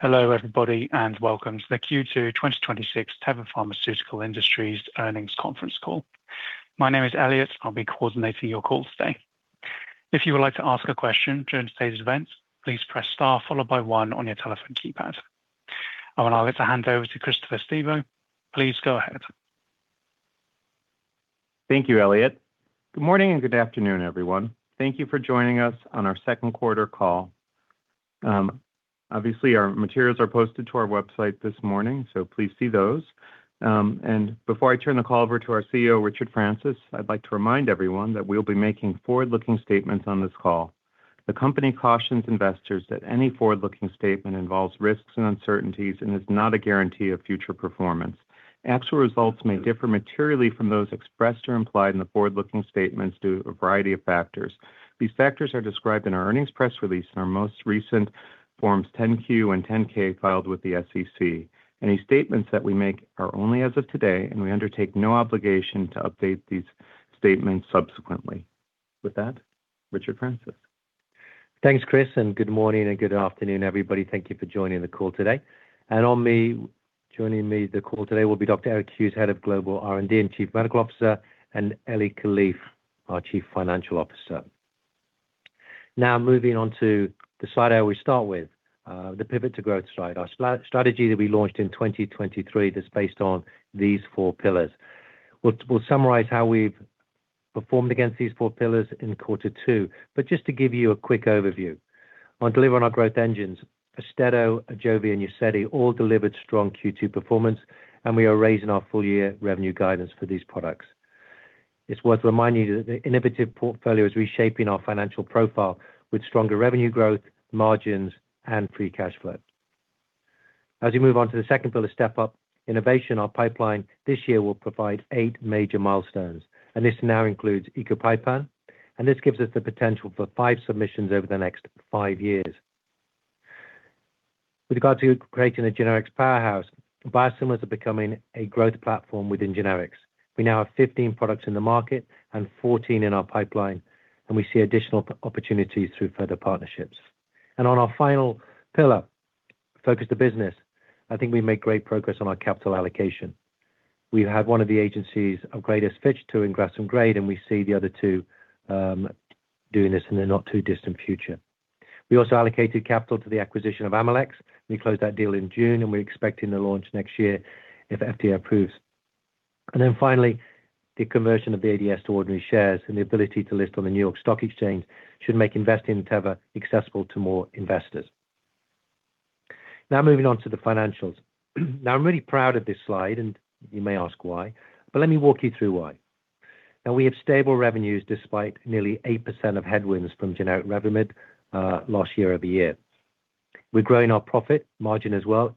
Hello everybody, welcome to the Q2 2026 Teva Pharmaceutical Industries earnings conference call. My name is Elliot. I'll be coordinating your call today. If you would like to ask a question during today's event, please press star followed by one on your telephone keypad. I would now like to hand over to Christopher Stevo. Please go ahead. Thank you, Elliot. Good morning and good afternoon, everyone. Thank you for joining us on our second quarter call. Obviously, our materials are posted to our website this morning, so please see those. Before I turn the call over to our CEO, Richard Francis, I'd like to remind everyone that we'll be making forward-looking statements on this call. The company cautions investors that any forward-looking statement involves risks and uncertainties and is not a guarantee of future performance. Actual results may differ materially from those expressed or implied in the forward-looking statements due to a variety of factors. These factors are described in our earnings press release and our most recent Forms 10-Q and 10-K filed with the SEC. Any statements that we make are only as of today, we undertake no obligation to update these statements subsequently. With that, Richard Francis. Thanks, Chris. Good morning and good afternoon, everybody. Thank you for joining the call today. Joining me on the call today will be Dr. Eric Hughes, Head of Global R&D and Chief Medical Officer, and Eli Kalif, our Chief Financial Officer. Now moving on to the slide I always start with, the Pivot to Growth slide, our strategy that we launched in 2023 that's based on these four pillars. We'll summarize how we've performed against these four pillars in quarter two. Just to give you a quick overview. On deliver on our growth engines, AUSTEDO, AJOVY, and UZEDY all delivered strong Q2 performance, we are raising our full-year revenue guidance for these products. It's worth reminding you that the innovative portfolio is reshaping our financial profile with stronger revenue growth, margins, and free cash flow. As we move on to the second pillar to step up innovation on pipeline, this year will provide eight major milestones. This now includes ecopipam, this gives us the potential for five submissions over the next five years. With regard to creating a generics powerhouse, biosimilars are becoming a growth platform within generics. We now have 15 products in the market and 14 in our pipeline, we see additional opportunities through further partnerships. On our final pillar, focus the business, I think we made great progress on our capital allocation. We've had one of the agencies upgrade us, Fitch, to investment grade, we see the other two doing this in the not-too-distant future. We also allocated capital to the acquisition of Emalex. We closed that deal in June, we're expecting to launch next year if FDA approves. Finally, the conversion of the ADSs to ordinary shares and the ability to list on the New York Stock Exchange should make investing in Teva accessible to more investors. Moving on to the financials. I'm really proud of this slide, and you may ask why, but let me walk you through why. We have stable revenues, despite nearly 8% of headwinds from generic Revlimid last year-over-year. We're growing our profit margin as well,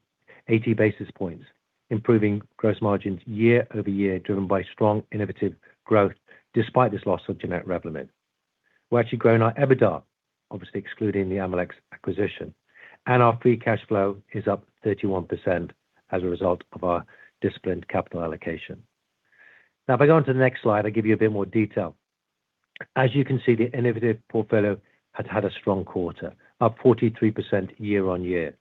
80 basis points, improving gross margins year-over-year, driven by strong innovative growth despite this loss of generic Revlimid. We're actually growing our EBITDA, obviously excluding the Emalex acquisition. Our free cash flow is up 31% as a result of our disciplined capital allocation. If I go on to the next slide, I'll give you a bit more detail. As you can see, the innovative portfolio has had a strong quarter, up 43% year-on-year.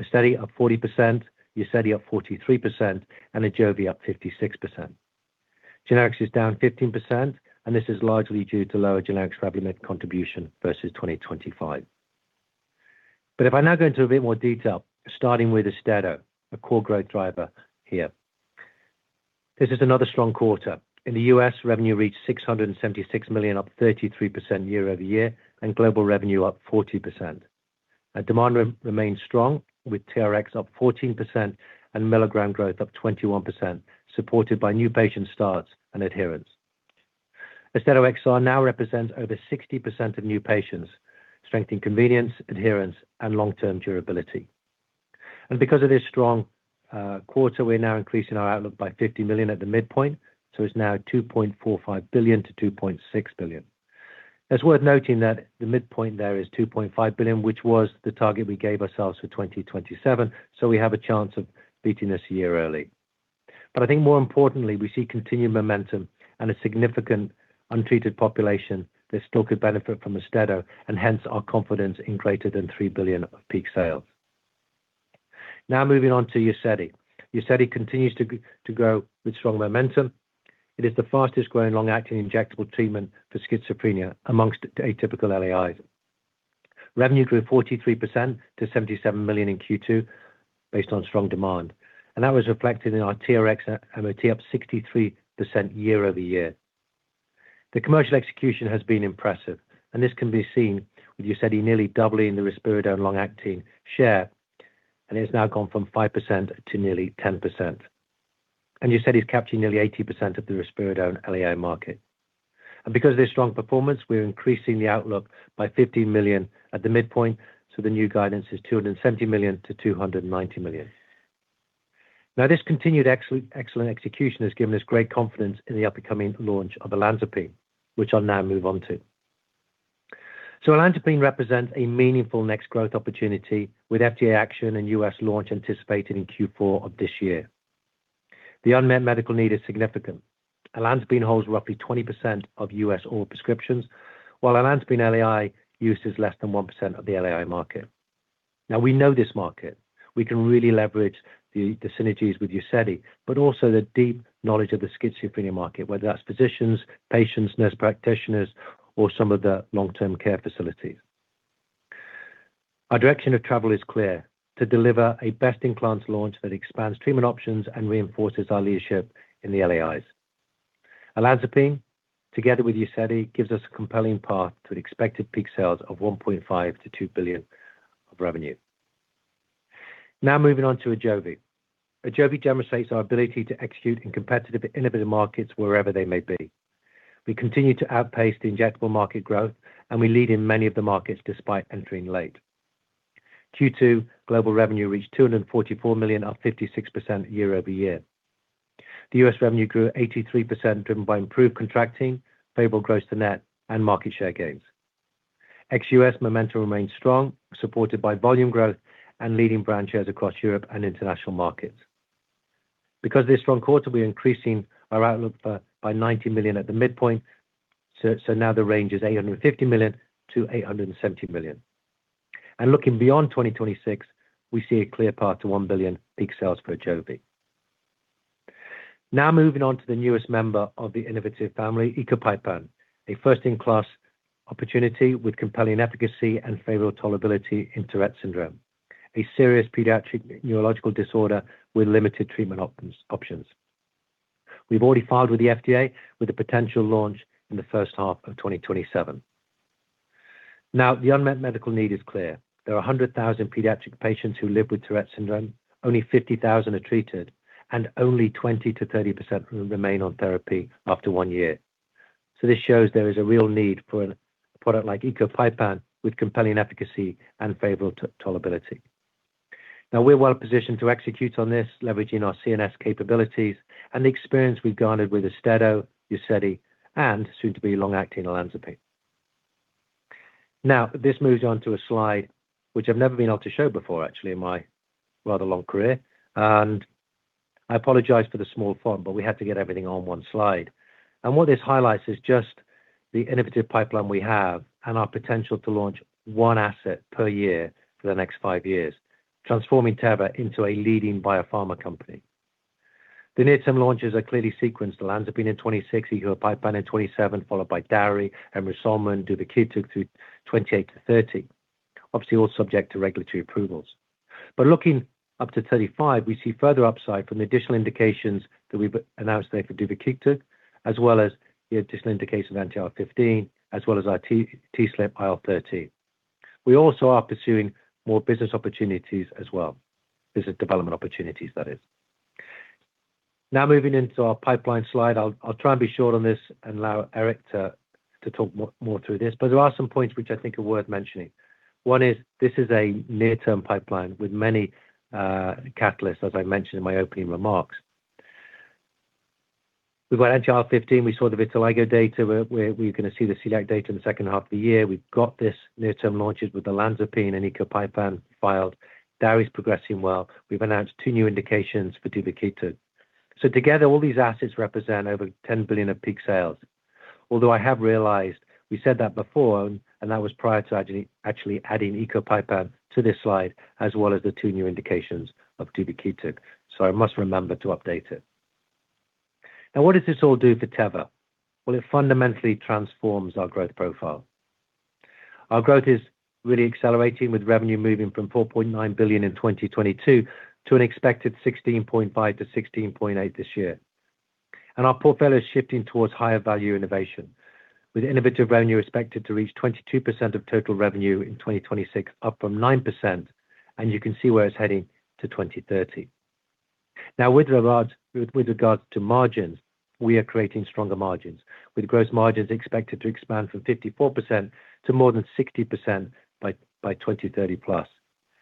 AUSTEDO up 40%, UZEDY up 43%, AJOVY up 56%. Generics is down 15%, this is largely due to lower generic Revlimid contribution versus 2025. If I now go into a bit more detail, starting with AUSTEDO, a core growth driver here. This is another strong quarter. In the U.S., revenue reached $676 million, up 33% year-over-year, global revenue up 40%. Demand remains strong with TRx up 14% and milligram growth up 21%, supported by new patient starts and adherence. AUSTEDO XR now represents over 60% of new patients, strengthening convenience, adherence, long-term durability. Because of this strong quarter, we're now increasing our outlook by $50 million at the midpoint, so it's now $2.45 billion-$2.6 billion. It's worth noting that the midpoint there is $2.5 billion, which was the target we gave ourselves for 2027, so we have a chance of beating this a year early. I think more importantly, we see continued momentum and a significant untreated population that still could benefit from AUSTEDO, hence our confidence in greater than $3 billion of peak sales. Moving on to UZEDY. UZEDY continues to grow with strong momentum. It is the fastest-growing long-acting injectable treatment for schizophrenia amongst atypical LAIs. Revenue grew 43% to $77 million in Q2 based on strong demand. That was reflected in our TRx and MOT up 63% year-over-year. The commercial execution has been impressive, this can be seen with UZEDY nearly doubling the risperidone long-acting share, it has now gone from 5% to nearly 10%. UZEDY's capturing nearly 80% of the risperidone LAI market. Because of this strong performance, we're increasing the outlook by $15 million at the midpoint, so the new guidance is $270 million-$290 million. This continued excellent execution has given us great confidence in the upcoming launch of olanzapine, which I'll now move on to. Olanzapine represents a meaningful next growth opportunity with FDA action and U.S. launch anticipated in Q4 of this year. The unmet medical need is significant. Olanzapine holds roughly 20% of U.S. oral prescriptions, while olanzapine LAI use is less than 1% of the LAI market. We know this market. We can really leverage the synergies with UZEDY, also the deep knowledge of the schizophrenia market, whether that's physicians, patients, nurse practitioners, or some of the long-term care facilities. Our direction of travel is clear, to deliver a best-in-class launch that expands treatment options and reinforces our leadership in the LAIs. Olanzapine, together with UZEDY, gives us a compelling path to expected peak sales of $1.5 billion-$2 billion of revenue. Moving on to AJOVY. AJOVY demonstrates our ability to execute in competitive, innovative markets wherever they may be. We continue to outpace the injectable market growth, and we lead in many of the markets despite entering late. Q2 global revenue reached $244 million, up 56% year-over-year. The U.S. revenue grew 83%, driven by improved contracting, favorable gross to net, and market share gains. Ex-U.S. momentum remains strong, supported by volume growth and leading brand shares across Europe and international markets. Because of this strong quarter, we're increasing our outlook by $90 million at the midpoint. Now the range is $850 million-$870 million. Looking beyond 2026, we see a clear path to $1 billion peak sales for AJOVY. Moving on to the newest member of the innovative family, ecopipam, a first-in-class opportunity with compelling efficacy and favorable tolerability in Tourette syndrome, a serious pediatric neurological disorder with limited treatment options. We've already filed with the FDA with a potential launch in the first half of 2027. The unmet medical need is clear. There are 100,000 pediatric patients who live with Tourette syndrome. Only 50,000 are treated, and only 20%-30% remain on therapy after one year. This shows there is a real need for a product like ecopipam with compelling efficacy and favorable tolerability. We're well positioned to execute on this, leveraging our CNS capabilities and the experience we've garnered with AUSTEDO, UZEDY, and soon to be long-acting olanzapine. This moves on to a slide which I've never been able to show before, actually, in my rather long career. I apologize for the small font, but we had to get everything on one slide. What this highlights is just the innovative pipeline we have and our potential to launch one asset per year for the next five years, transforming Teva into a leading biopharma company. The near-term launches are clearly sequenced. Olanzapine in 2026, ecopipam in 2027, followed by DARI, emricasan, and duvakitug through 2028 to 2030. Obviously, all subject to regulatory approvals. Looking up to 2035, we see further upside from the additional indications that we've announced there for duvakitug, as well as the additional indication of anti-IL-15, as well as our TSLP/IL-13. We also are pursuing more business opportunities as well. Business development opportunities, that is. Moving into our pipeline slide. I'll try and be short on this and allow Eric to talk more through this, but there are some points which I think are worth mentioning. One is this is a near-term pipeline with many catalysts, as I mentioned in my opening remarks. We've got anti-IL-15. We saw the vitiligo data. We're going to see the select data in the second half of the year. We've got these near-term launches with olanzapine and ecopipam filed. DARI is progressing well. We've announced two new indications for duvakitug. Together, all these assets represent over $10 billion of peak sales. I have realized we said that before, and that was prior to actually adding ecopipam to this slide, as well as the two new indications of duvakitug, I must remember to update it. What does this all do for Teva? It fundamentally transforms our growth profile. Our growth is really accelerating with revenue moving from $4.9 billion in 2022 to an expected $16.5 billion-$16.8 billion this year. Our portfolio is shifting towards higher value innovation, with innovative revenue expected to reach 22% of total revenue in 2026, up from 9%. You can see where it is heading to 2030. With regards to margins, we are creating stronger margins, with gross margins expected to expand from 54% to more than 60% by 2030+.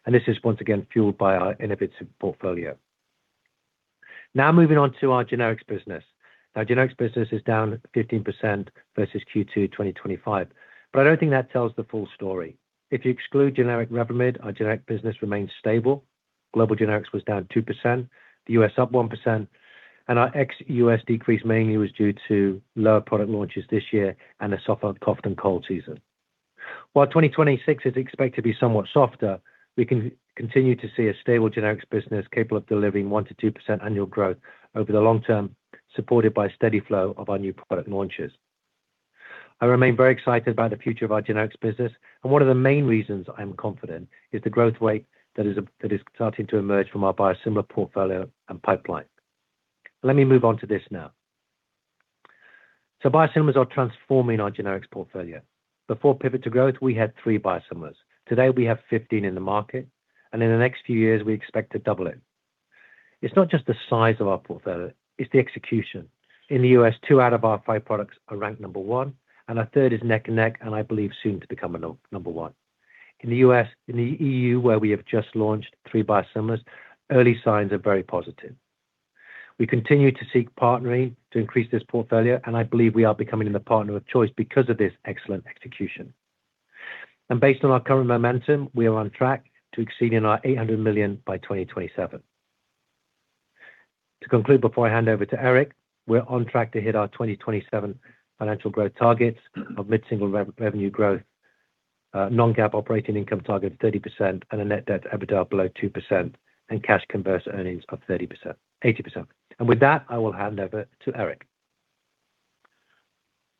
This is once again fueled by our innovative portfolio. Moving on to our generics business. Generics business is down 15% versus Q2 2025, but I don't think that tells the full story. If you exclude generic Revlimid, our generic business remains stable. Global generics was down 2%, the U.S. up 1%. Our ex-U.S. decrease mainly was due to lower product launches this year and a softer cough and cold season. 2026 is expected to be somewhat softer, we can continue to see a stable generics business capable of delivering 1%-2% annual growth over the long term, supported by a steady flow of our new product launches. I remain very excited about the future of our generics business. One of the main reasons I am confident is the growth rate that is starting to emerge from our biosimilar portfolio and pipeline. Let me move on to this now. Biosimilars are transforming our generics portfolio. Before Pivot to Growth, we had three biosimilars. Today, we have 15 in the market, and in the next few years, we expect to double it. It is not just the size of our portfolio, it is the execution. In the U.S., two out of our five products are ranked number one. A third is neck and neck, and I believe soon to become a number one. In the EU, where we have just launched three biosimilars, early signs are very positive. We continue to seek partnering to increase this portfolio. I believe we are becoming the partner of choice because of this excellent execution. Based on our current momentum, we are on track to exceeding our $800 million by 2027. To conclude, before I hand over to Eric, we are on track to hit our 2027 financial growth targets of mid-single revenue growth, non-GAAP operating income target of 30%. A net debt EBITDA below 2%, and cash converse earnings of 80%. With that, I will hand over to Eric.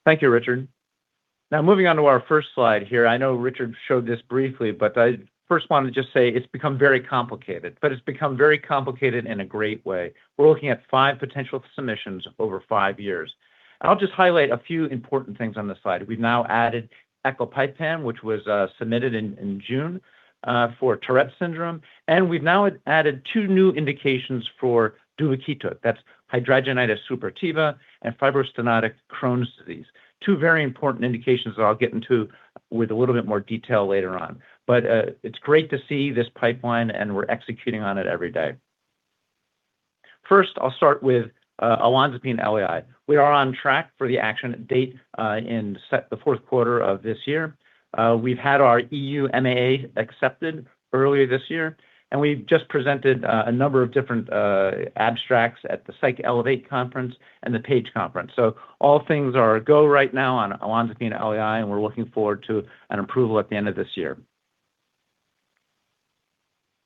Thank you, Richard. Moving on to our first slide here. I know Richard showed this briefly. I first want to just say it has become very complicated. It has become very complicated in a great way. We are looking at five potential submissions over five years. I will just highlight a few important things on the slide. We have now added ecopipam, which was submitted in June for Tourette syndrome. We have now added two new indications for duvakitug. That is hidradenitis suppurativa and fibrostenotic Crohn's disease. Two very important indications that I will get into with a little bit more detail later on. It is great to see this pipeline, and we are executing on it every day. First, I will start with olanzapine LAI. We are on track for the action date in the fourth quarter of this year. We've had our EU MAA accepted earlier this year, we've just presented a number of different abstracts at the Psych Elevate Conference and the PAGE Conference. All things are go right now on olanzapine LAI, and we're looking forward to an approval at the end of this year.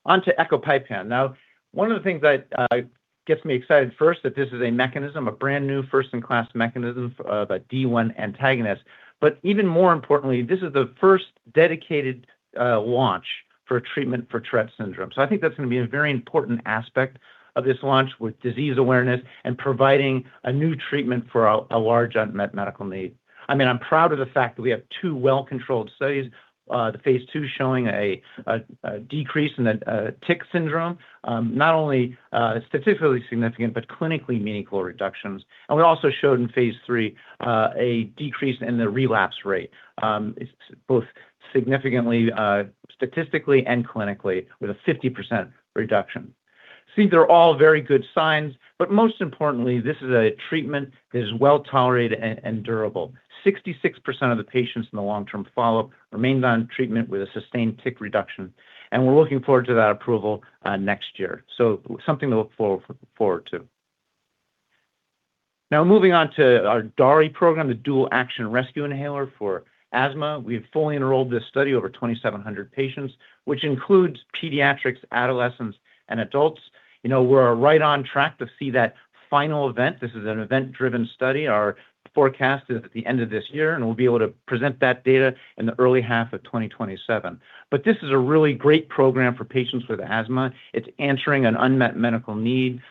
On to ecopipam. One of the things that gets me excited first, that this is a mechanism, a brand-new first-in-class mechanism of a D1 antagonist. Even more importantly, this is the first dedicated launch for a treatment for Tourette syndrome. I think that's going to be a very important aspect of this launch with disease awareness and providing a new treatment for a large unmet medical need. I'm proud of the fact that we have two well-controlled studies, the phase II showing a decrease in the tic syndrome, not only statistically significant, but clinically meaningful reductions. We also showed in phase III a decrease in the relapse rate, both significantly statistically and clinically with a 50% reduction. These are all very good signs, most importantly, this is a treatment that is well-tolerated and durable. 66% of the patients in the long-term follow-up remained on treatment with a sustained tic reduction, and we're looking forward to that approval next year. Something to look forward to. Moving on to our DARI program, the dual action rescue inhaler for asthma. We've fully enrolled this study, over 2,700 patients, which includes pediatrics, adolescents, and adults. We're right on track to see that final event. This is an event-driven study. Our forecast is at the end of this year, and we'll be able to present that data in the early half of 2027. This is a really great program for patients with asthma. It's answering an unmet medical need.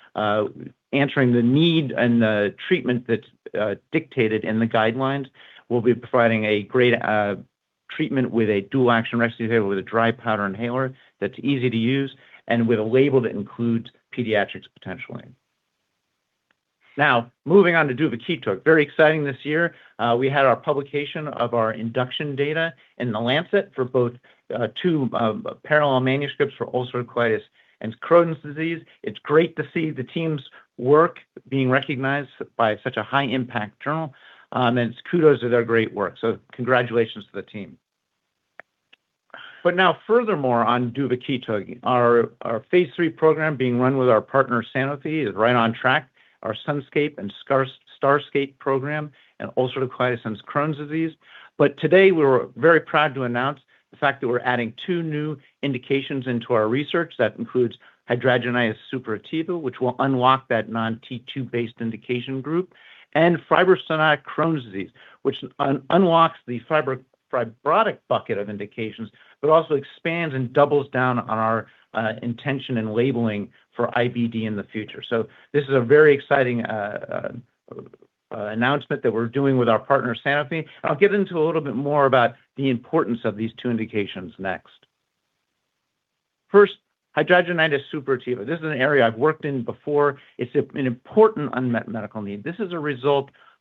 Answering the need and the treatment that's dictated in the guidelines. We'll be providing a great treatment with a dual action rescue inhaler with a dry powder inhaler that's easy to use and with a label that includes pediatrics potentially. Moving on to duvakitug. Very exciting this year. We had our publication of our induction data in The Lancet for both two parallel manuscripts for ulcerative colitis and Crohn's disease. It's great to see the team's work being recognized by such a high-impact journal, and it's kudos to their great work. Congratulations to the team. Furthermore on duvakitug, our phase III program being run with our partner Sanofi is right on track. Our SUNSCAPE and STARSCAPE program in ulcerative colitis and Crohn's disease. Today we're very proud to announce the fact that we're adding two new indications into our research. That includes hidradenitis suppurativa, which will unlock that non-T2 based indication group, and fibrostenotic Crohn's disease, which unlocks the fibrotic bucket of indications, but also expands and doubles down on our intention and labeling for IBD in the future. This is a very exciting announcement that we're doing with our partner, Sanofi. I'll get into a little bit more about the importance of these two indications next. First, hidradenitis suppurativa. This is an area I've worked in before. It's an important unmet medical need. This is a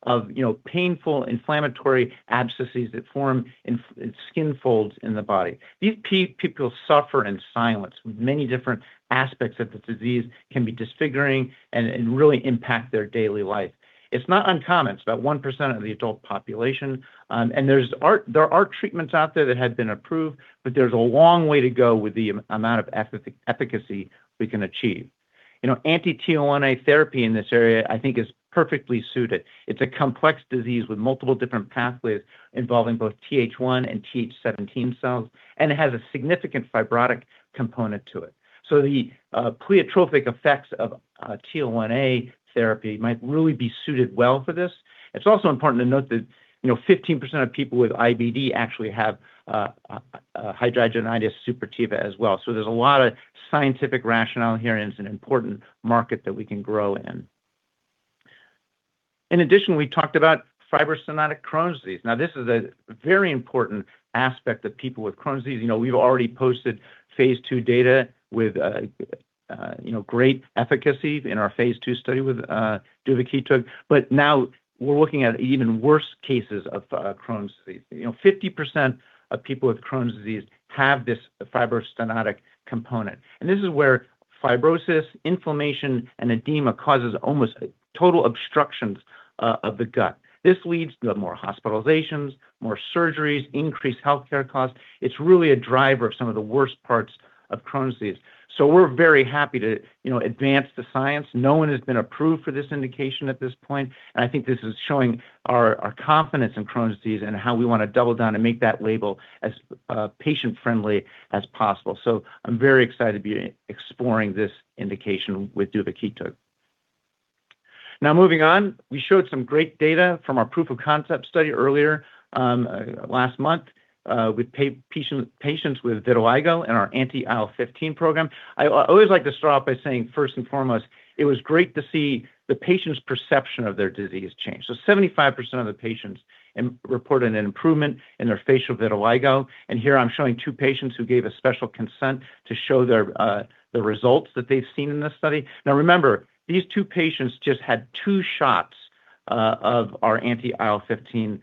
result of painful inflammatory abscesses that form in skin folds in the body. These people suffer in silence. Many different aspects of the disease can be disfiguring and really impact their daily life. It's not uncommon. It's about 1% of the adult population. There are treatments out there that have been approved, but there's a long way to go with the amount of efficacy we can achieve. Anti-TL1A therapy in this area I think is perfectly suited. It's a complex disease with multiple different pathways involving both TH1 and TH17 cells, and it has a significant fibrotic component to it. The pleiotropic effects of TL1A therapy might really be suited well for this. It's also important to note that 15% of people with IBD actually have hidradenitis suppurativa as well. There's a lot of scientific rationale here, and it's an important market that we can grow in. In addition, we talked about fibrostenotic Crohn's disease. This is a very important aspect of people with Crohn's disease. We've already posted phase II data with great efficacy in our phase II study with duvakitug. Now we're looking at even worse cases of Crohn's disease. 50% of people with Crohn's disease have this fibrostenotic component, and this is where fibrosis, inflammation, and edema causes almost total obstructions of the gut. This leads to more hospitalizations, more surgeries, increased healthcare costs. It's really a driver of some of the worst parts of Crohn's disease. We're very happy to advance the science. No one has been approved for this indication at this point, and I think this is showing our confidence in Crohn's disease and how we want to double down and make that label as patient-friendly as possible. I'm very excited to be exploring this indication with duvakitug. Moving on, we showed some great data from our proof of concept study earlier last month with patients with vitiligo in our anti-IL-15 program. I always like to start off by saying, first and foremost, it was great to see the patients' perception of their disease change. 75% of the patients reported an improvement in their facial vitiligo, and here I'm showing two patients who gave a special consent to show the results that they've seen in this study. Remember, these two patients just had two shots of our anti-IL-15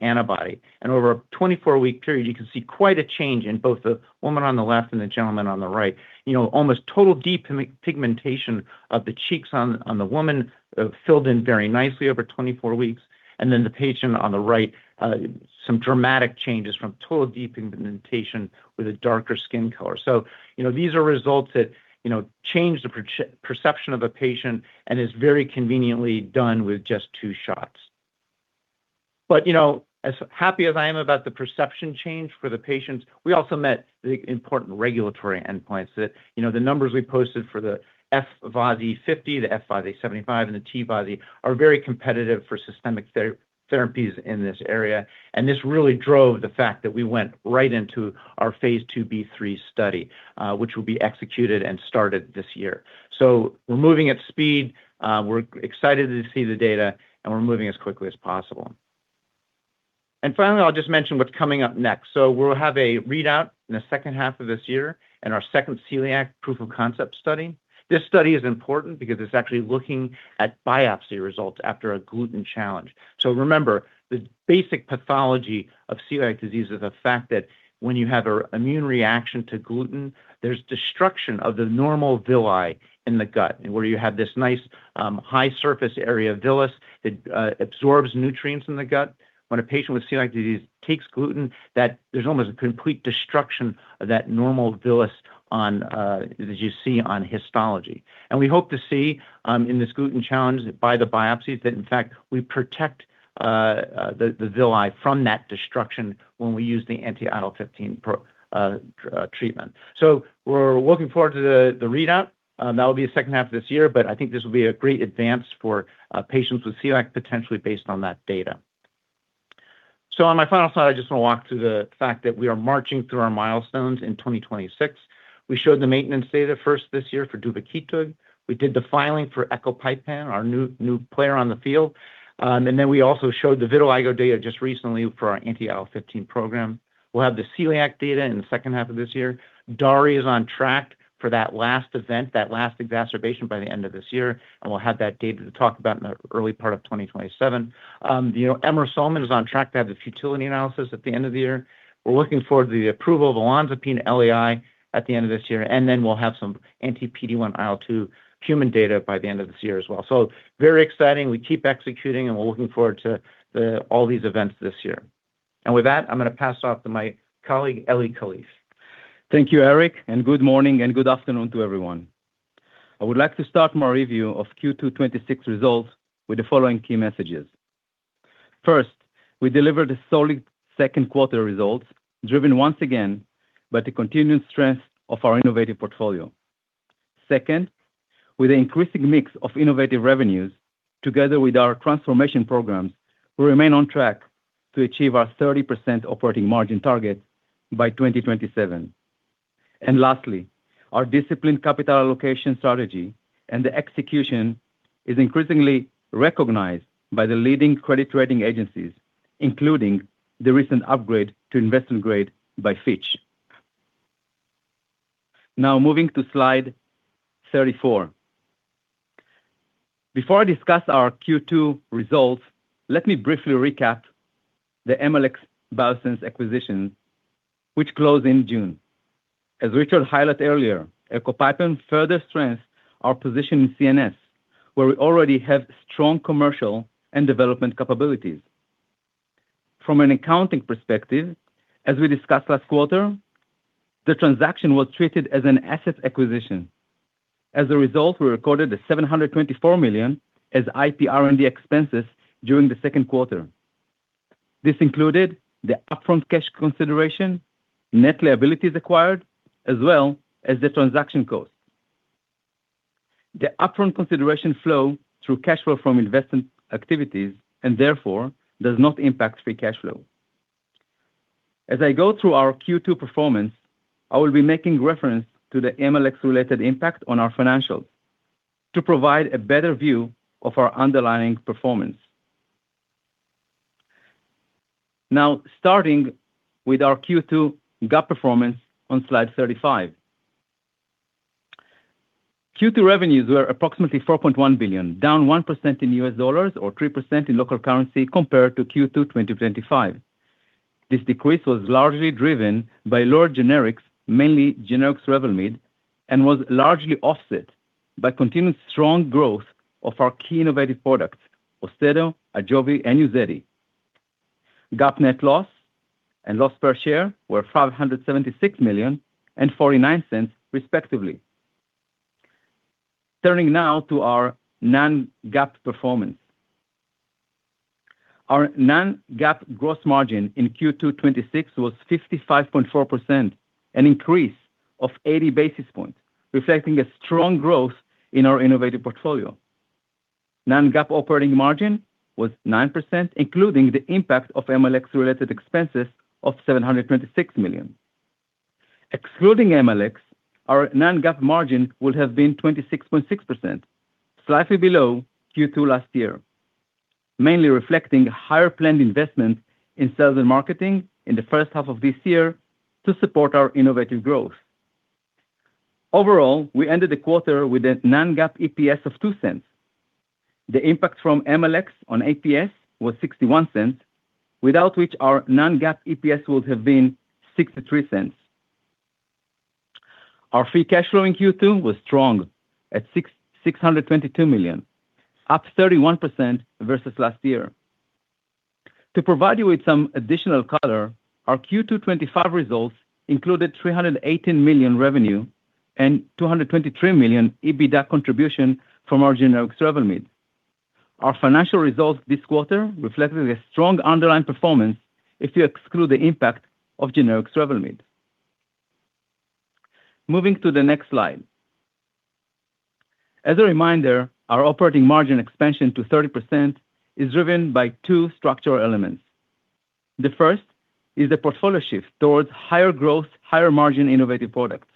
antibody, and over a 24-week period, you can see quite a change in both the woman on the left and the gentleman on the right. Almost total depigmentation of the cheeks on the woman, filled in very nicely over 24 weeks, and then the patient on the right, some dramatic changes from total depigmentation with a darker skin color. These are results that change the perception of a patient and is very conveniently done with just two shots. As happy as I am about the perception change for the patients, we also met the important regulatory endpoints that the numbers we posted for the F-VASI 50, the F-VASI 75, and the T-VASI are very competitive for systemic therapies in this area, and this really drove the fact that we went right into our phase II-B/III study, which will be executed and started this year. We're moving at speed. We're excited to see the data, and we're moving as quickly as possible. Finally, I'll just mention what's coming up next. We'll have a readout in the second half of this year in our second celiac proof of concept study. This study is important because it's actually looking at biopsy results after a gluten challenge. Remember, the basic pathology of celiac disease is the fact that when you have an immune reaction to gluten, there's destruction of the normal villi in the gut, where you have this nice, high surface area of villus that absorbs nutrients in the gut. When a patient with celiac disease takes gluten, there's almost a complete destruction of that normal villus as you see on histology. We hope to see in this gluten challenge by the biopsies that, in fact, we protect the villi from that destruction when we use the anti-IL-15 treatment. We're looking forward to the readout. That will be the second half of this year, I think this will be a great advance for patients with celiac, potentially based on that data. On my final slide, I just want to walk through the fact that we are marching through our milestones in 2026. We showed the maintenance data first this year for duvakitug. We did the filing for ecopipam, our new player on the field. We also showed the vitiligo data just recently for our anti-IL-15 program. We'll have the celiac data in the second half of this year. DARI is on track for that last event, that last exacerbation, by the end of this year, we'll have that data to talk about in the early part of 2027. Emrusolmin is on track to have the futility analysis at the end of the year. We're looking forward to the approval of olanzapine LAI at the end of this year, we'll have some anti-PD-1/IL-2 human data by the end of this year as well. Very exciting. We keep executing, we're looking forward to all these events this year. With that, I'm going to pass it off to my colleague, Eli Kalif. Thank you, Eric, good morning and good afternoon to everyone. I would like to start my review of Q2 2026 results with the following key messages. First, we delivered a solid second quarter results, driven once again by the continued strength of our innovative portfolio. Second, with the increasing mix of innovative revenues together with our transformation programs, we remain on track to achieve our 30% operating margin target by 2027. Lastly, our disciplined capital allocation strategy and the execution is increasingly recognized by the leading credit rating agencies, including the recent upgrade to investment grade by Fitch. Now moving to slide 34. Before I discuss our Q2 results, let me briefly recap the Emalex Biosciences acquisition, which closed in June. As Richard highlighted earlier, ecopipam further strengths our position in CNS, where we already have strong commercial and development capabilities. From an accounting perspective, as we discussed last quarter, the transaction was treated as an asset acquisition. As a result, we recorded the $724 million as IPR&D expenses during the second quarter. This included the upfront cash consideration, net liabilities acquired, as well as the transaction costs. The upfront consideration flow through cash flow from investment activities, and therefore does not impact free cash flow. As I go through our Q2 performance, I will be making reference to the Emalex-related impact on our financials to provide a better view of our underlying performance. Starting with our Q2 GAAP performance on slide 35. Q2 revenues were approximately $4.1 billion, down 1% in US dollars or 3% in local currency compared to Q2 2025. This decrease was largely driven by lower generics, mainly generic Revlimid, and was largely offset by continued strong growth of our key innovative products, AUSTEDO, AJOVY, and UZEDY. GAAP net loss and loss per share were $576 million and $0.49 respectively. Turning to our non-GAAP performance. Our non-GAAP gross margin in Q2 2026 was 55.4%, an increase of 80 basis points, reflecting a strong growth in our innovative portfolio. Non-GAAP operating margin was 9%, including the impact of Emalex-related expenses of $726 million. Excluding Emalex, our non-GAAP margin would have been 26.6%, slightly below Q2 last year, mainly reflecting higher planned investments in sales and marketing in the first half of this year to support our innovative growth. Overall, we ended the quarter with a non-GAAP EPS of $0.02. The impact from Emalex on EPS was $0.61, without which our non-GAAP EPS would have been $0.63. Our free cash flow in Q2 was strong at $622 million, up 31% versus last year. To provide you with some additional color, our Q2 2025 results included $318 million revenue and $223 million EBITDA contribution from our generic Revlimid. Our financial results this quarter reflected a strong underlying performance if you exclude the impact of generic Revlimid. Moving to the next slide. As a reminder, our operating margin expansion to 30% is driven by two structural elements. The first is the portfolio shift towards higher growth, higher margin innovative products.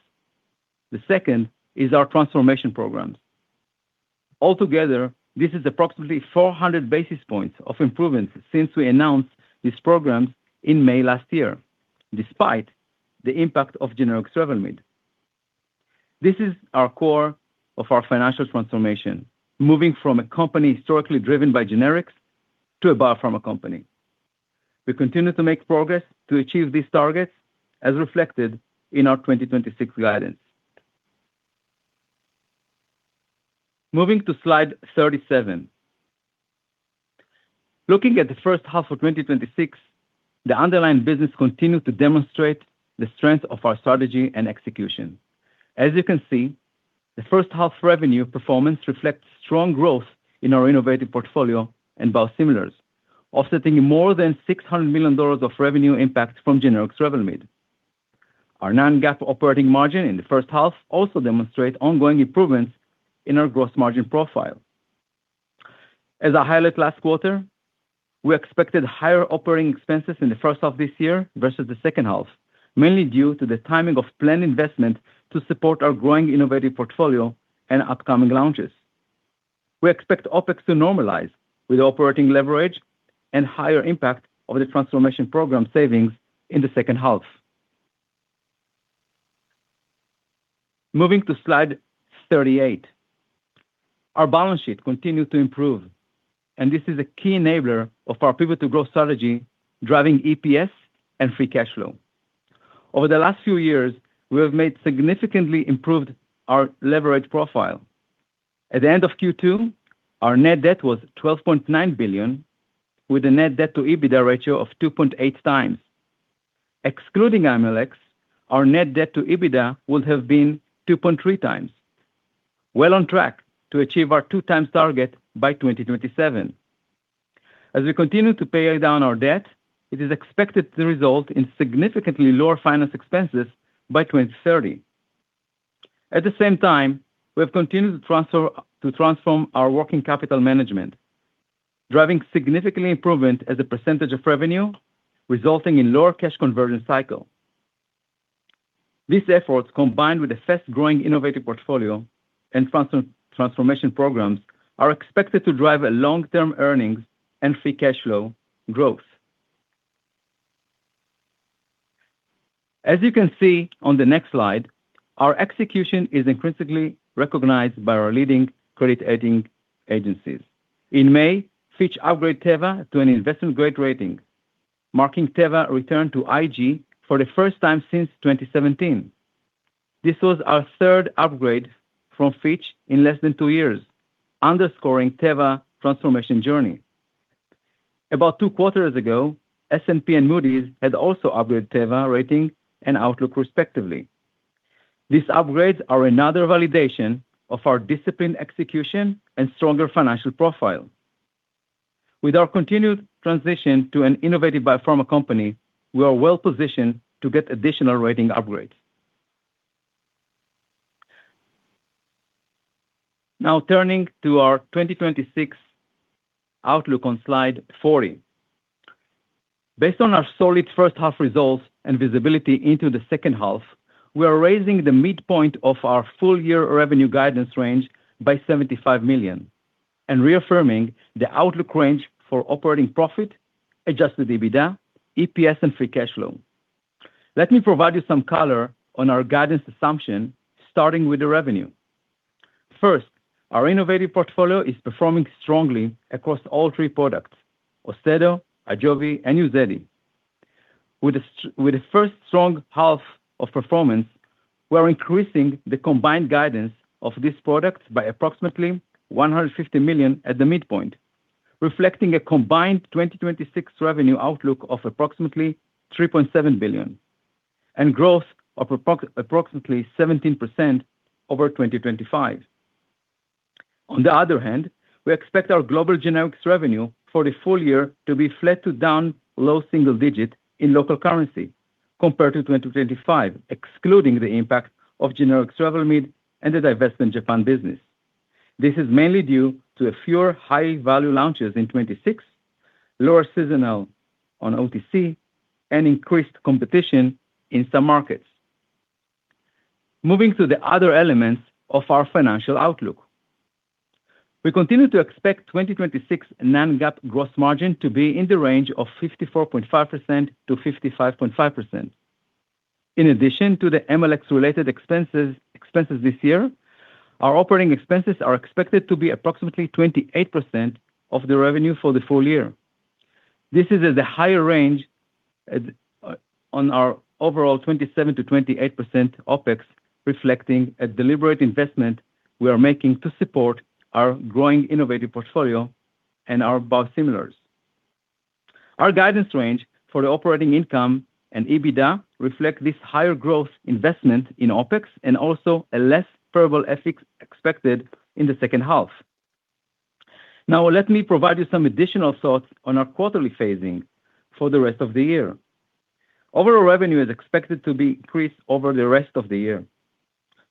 The second is our transformation programs. Altogether, this is approximately 400 basis points of improvement since we announced these programs in May last year, despite the impact of generic Revlimid. This is our core of our financial transformation, moving from a company historically driven by generics to a biopharma company. We continue to make progress to achieve these targets as reflected in our 2026 guidance. Moving to slide 37. Looking at the first half of 2026, the underlying business continued to demonstrate the strength of our strategy and execution. As you can see, the first half revenue performance reflects strong growth in our innovative portfolio and biosimilars, offsetting more than $600 million of revenue impact from generic Revlimid. Our non-GAAP operating margin in the first half also demonstrate ongoing improvements in our gross margin profile. As I highlighted last quarter, we expected higher operating expenses in the first half of this year versus the second half, mainly due to the timing of planned investment to support our growing innovative portfolio and upcoming launches. We expect OpEx to normalize with operating leverage and higher impact of the transformation program savings in the second half. Moving to Slide 38. Our balance sheet continued to improve, and this is a key enabler of our Pivot to Growth strategy, driving EPS and free cash flow. Over the last few years, we have made significantly improved our leverage profile. At the end of Q2, our net debt was $12.9 billion with a net debt to EBITDA ratio of 2.8x. Excluding Emalex, our net debt to EBITDA would have been 2.3x, well on track to achieve our 2x target by 2027. As we continue to pay down our debt, it is expected to result in significantly lower finance expenses by 2030. At the same time, we have continued to transform our working capital management, driving significant improvement as a percentage of revenue, resulting in lower cash conversion cycle. These efforts, combined with the fast-growing innovative portfolio and transformation programs, are expected to drive a long-term earnings and free cash flow growth. As you can see on the next slide, our execution is increasingly recognized by our leading credit rating agencies. In May, Fitch upgraded Teva to an investment-grade rating, marking Teva's return to IG for the first time since 2017. This was our third upgrade from Fitch in less than two years, underscoring Teva's transformation journey. About two quarters ago, S&P and Moody's had also upgraded Teva's rating and outlook respectively. These upgrades are another validation of our disciplined execution and stronger financial profile. With our continued transition to an innovative biopharma company, we are well positioned to get additional rating upgrades. Now turning to our 2026 outlook on slide 40. Based on our solid first half results and visibility into the second half, we are raising the midpoint of our full-year revenue guidance range by $75 million and reaffirming the outlook range for operating profit, adjusted EBITDA, EPS, and free cash flow. Let me provide you some color on our guidance assumption, starting with the revenue. First, our innovative portfolio is performing strongly across all three products, AUSTEDO, AJOVY, and UZEDY. With the first strong half of performance, we are increasing the combined guidance of these products by approximately $150 million at the midpoint, reflecting a combined 2026 revenue outlook of approximately $3.7 billion and growth of approximately 17% over 2025. On the other hand, we expect our global generics revenue for the full year to be flat to down low single-digits in local currency compared to 2025, excluding the impact of generic Revlimid and the divestment of Japan business. This is mainly due to fewer high-value launches in 2026, lower seasonal on OTC, and increased competition in some markets. Moving to the other elements of our financial outlook. We continue to expect 2026 non-GAAP gross margin to be in the range of 54.5%-55.5%. In addition to the Emalex-related expenses this year, our operating expenses are expected to be approximately 28% of the revenue for the full year. This is at the higher range on our overall 27%-28% OpEx, reflecting a deliberate investment we are making to support our growing innovative portfolio and our biosimilars. Our guidance range for the operating income and EBITDA reflect this higher growth investment in OpEx and also a less favorable FX expected in the second half. Let me provide you some additional thoughts on our quarterly phasing for the rest of the year. Overall revenue is expected to be increased over the rest of the year.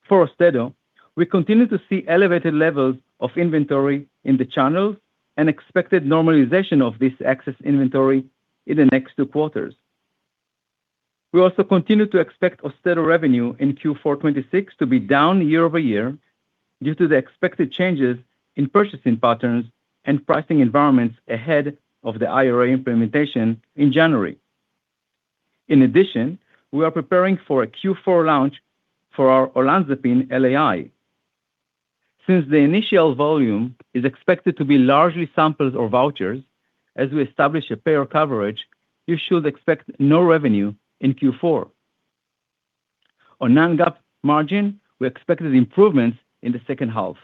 For AUSTEDO, we continue to see elevated levels of inventory in the channels and expected normalization of this excess inventory in the next two quarters. We also continue to expect AUSTEDO revenue in Q4 2026 to be down year-over-year due to the expected changes in purchasing patterns and pricing environments ahead of the IRA implementation in January. In addition, we are preparing for a Q4 launch for our olanzapine LAI. Since the initial volume is expected to be largely samples or vouchers as we establish a payer coverage, you should expect no revenue in Q4. On non-GAAP margin, we expected improvements in the second half,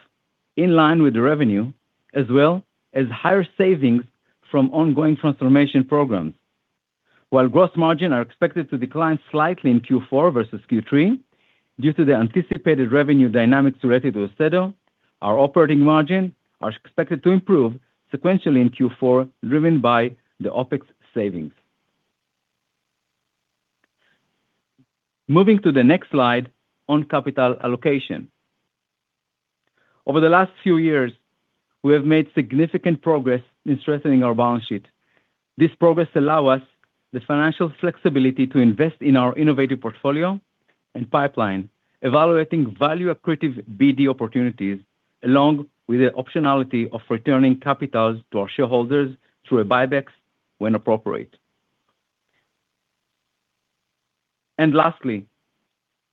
in line with the revenue, as well as higher savings from ongoing transformation programs. While gross margins are expected to decline slightly in Q4 versus Q3 due to the anticipated revenue dynamics related to AUSTEDO, our operating margins are expected to improve sequentially in Q4, driven by the OpEx savings. Moving to the next slide on capital allocation. Over the last few years, we have made significant progress in strengthening our balance sheet. This progress allows us the financial flexibility to invest in our innovative portfolio and pipeline, evaluating value-accretive BD opportunities, along with the optionality of returning capital to our shareholders through a buyback when appropriate. Lastly,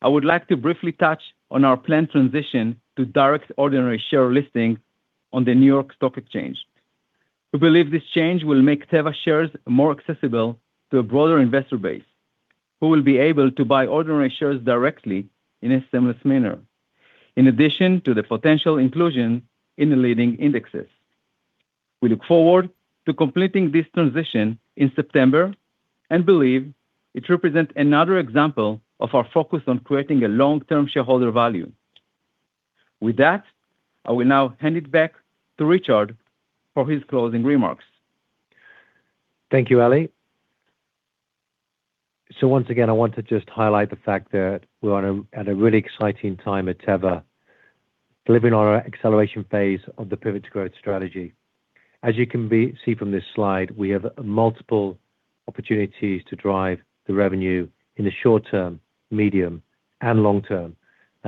I would like to briefly touch on our planned transition to direct ordinary share listing on the New York Stock Exchange. We believe this change will make Teva shares more accessible to a broader investor base who will be able to buy ordinary shares directly in a seamless manner, in addition to the potential inclusion in the leading indexes. We look forward to completing this transition in September and believe it represents another example of our focus on creating long-term shareholder value. With that, I will now hand it back to Richard for his closing remarks. Thank you, Eli. Once again, I want to just highlight the fact that we're at a really exciting time at Teva, delivering our acceleration phase of the Pivot to Growth strategy. As you can see from this slide, we have multiple opportunities to drive the revenue in the short term, medium, and long term,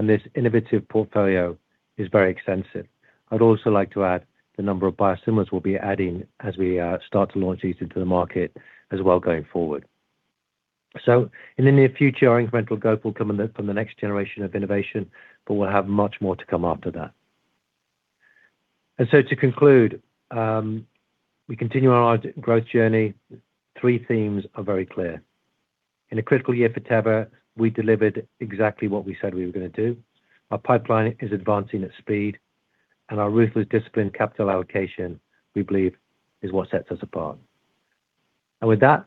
this innovative portfolio is very extensive. I'd also like to add the number of biosimilars we'll be adding as we start to launch these into the market as well going forward. In the near future, our incremental growth will come from the next generation of innovation, we'll have much more to come after that. To conclude, we continue on our growth journey. Three themes are very clear. In a critical year for Teva, we delivered exactly what we said we were going to do. Our pipeline is advancing at speed, and our ruthless discipline capital allocation, we believe, is what sets us apart. With that,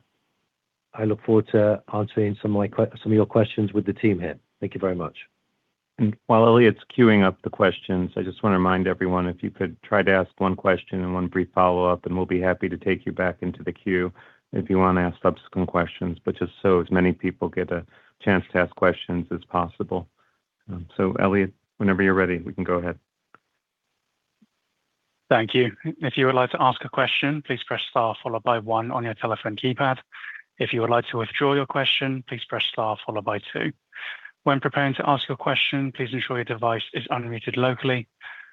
I look forward to answering some of your questions with the team here. Thank you very much. While Elliot's queuing up the questions, I just want to remind everyone, if you could try to ask one question and one brief follow-up, we'll be happy to take you back into the queue if you want to ask subsequent questions, just so as many people get a chance to ask questions as possible. Elliot, whenever you're ready, we can go ahead. Thank you. If you would like to ask a question, please press star followed by one on your telephone keypad. If you would like to withdraw your question, please press star followed by two. When preparing to ask your question, please ensure your device is unmuted locally.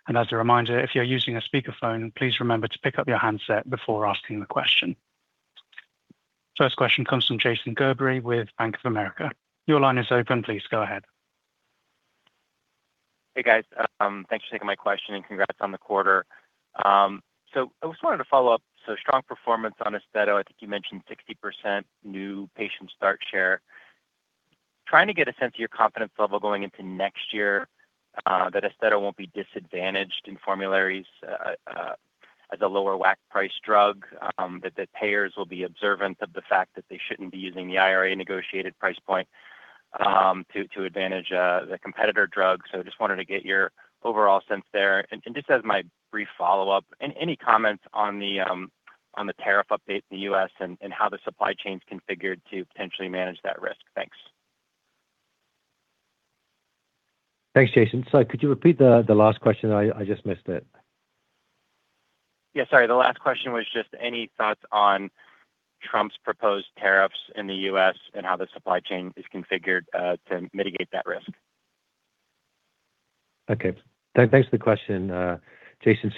As a reminder, if you're using a speakerphone, please remember to pick up your handset before asking the question. First question comes from Jason Gerberry with Bank of America. Your line is open. Please go ahead. Hey, guys. Thanks for taking my question and congrats on the quarter. I just wanted to follow up. Strong performance on AUSTEDO. I think you mentioned 60% new patient start share. Trying to get a sense of your confidence level going into next year that AUSTEDO won't be disadvantaged in formularies as a lower WAC price drug, that the payers will be observant of the fact that they shouldn't be using the IRA negotiated price point to advantage the competitor drugs. Just wanted to get your overall sense there. Just as my brief follow-up, any comments on the tariff update in the U.S. and how the supply chain's configured to potentially manage that risk? Thanks. Thanks, Jason. Could you repeat the last question? I just missed it. Sorry. The last question was just any thoughts on Trump's proposed tariffs in the U.S. and how the supply chain is configured to mitigate that risk. Okay. Thanks for the question, Jason.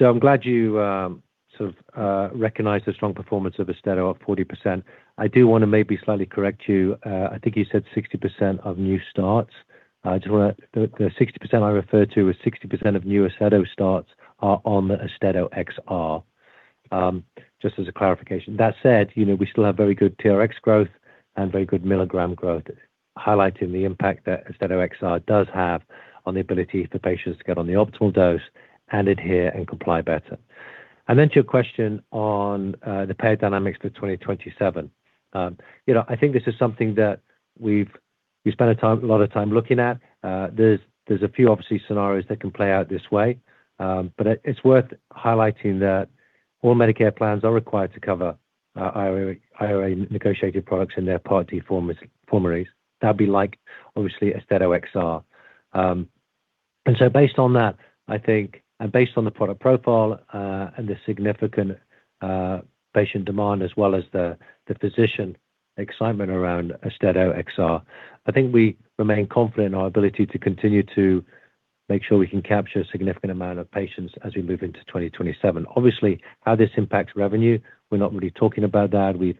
I'm glad you sort of recognized the strong performance of AUSTEDO at 40%. I do want to maybe slightly correct you. I think you said 60% of new starts. The 60% I referred to is 60% of new AUSTEDO starts are on the AUSTEDO XR, just as a clarification. That said, we still have very good TRX growth and very good milligram growth, highlighting the impact that AUSTEDO XR does have on the ability for patients to get on the optimal dose and adhere and comply better. To your question on the payer dynamics for 2027. I think this is something that we've spent a lot of time looking at. There's a few obviously scenarios that can play out this way. It's worth highlighting that all Medicare plans are required to cover IRA negotiated products in their Part D formularies. That'd be like, obviously, AUSTEDO XR. Based on that, I think, and based on the product profile and the significant patient demand as well as the physician excitement around AUSTEDO XR, I think we remain confident in our ability to continue to make sure we can capture a significant amount of patients as we move into 2027. Obviously, how this impacts revenue, we're not really talking about that. We've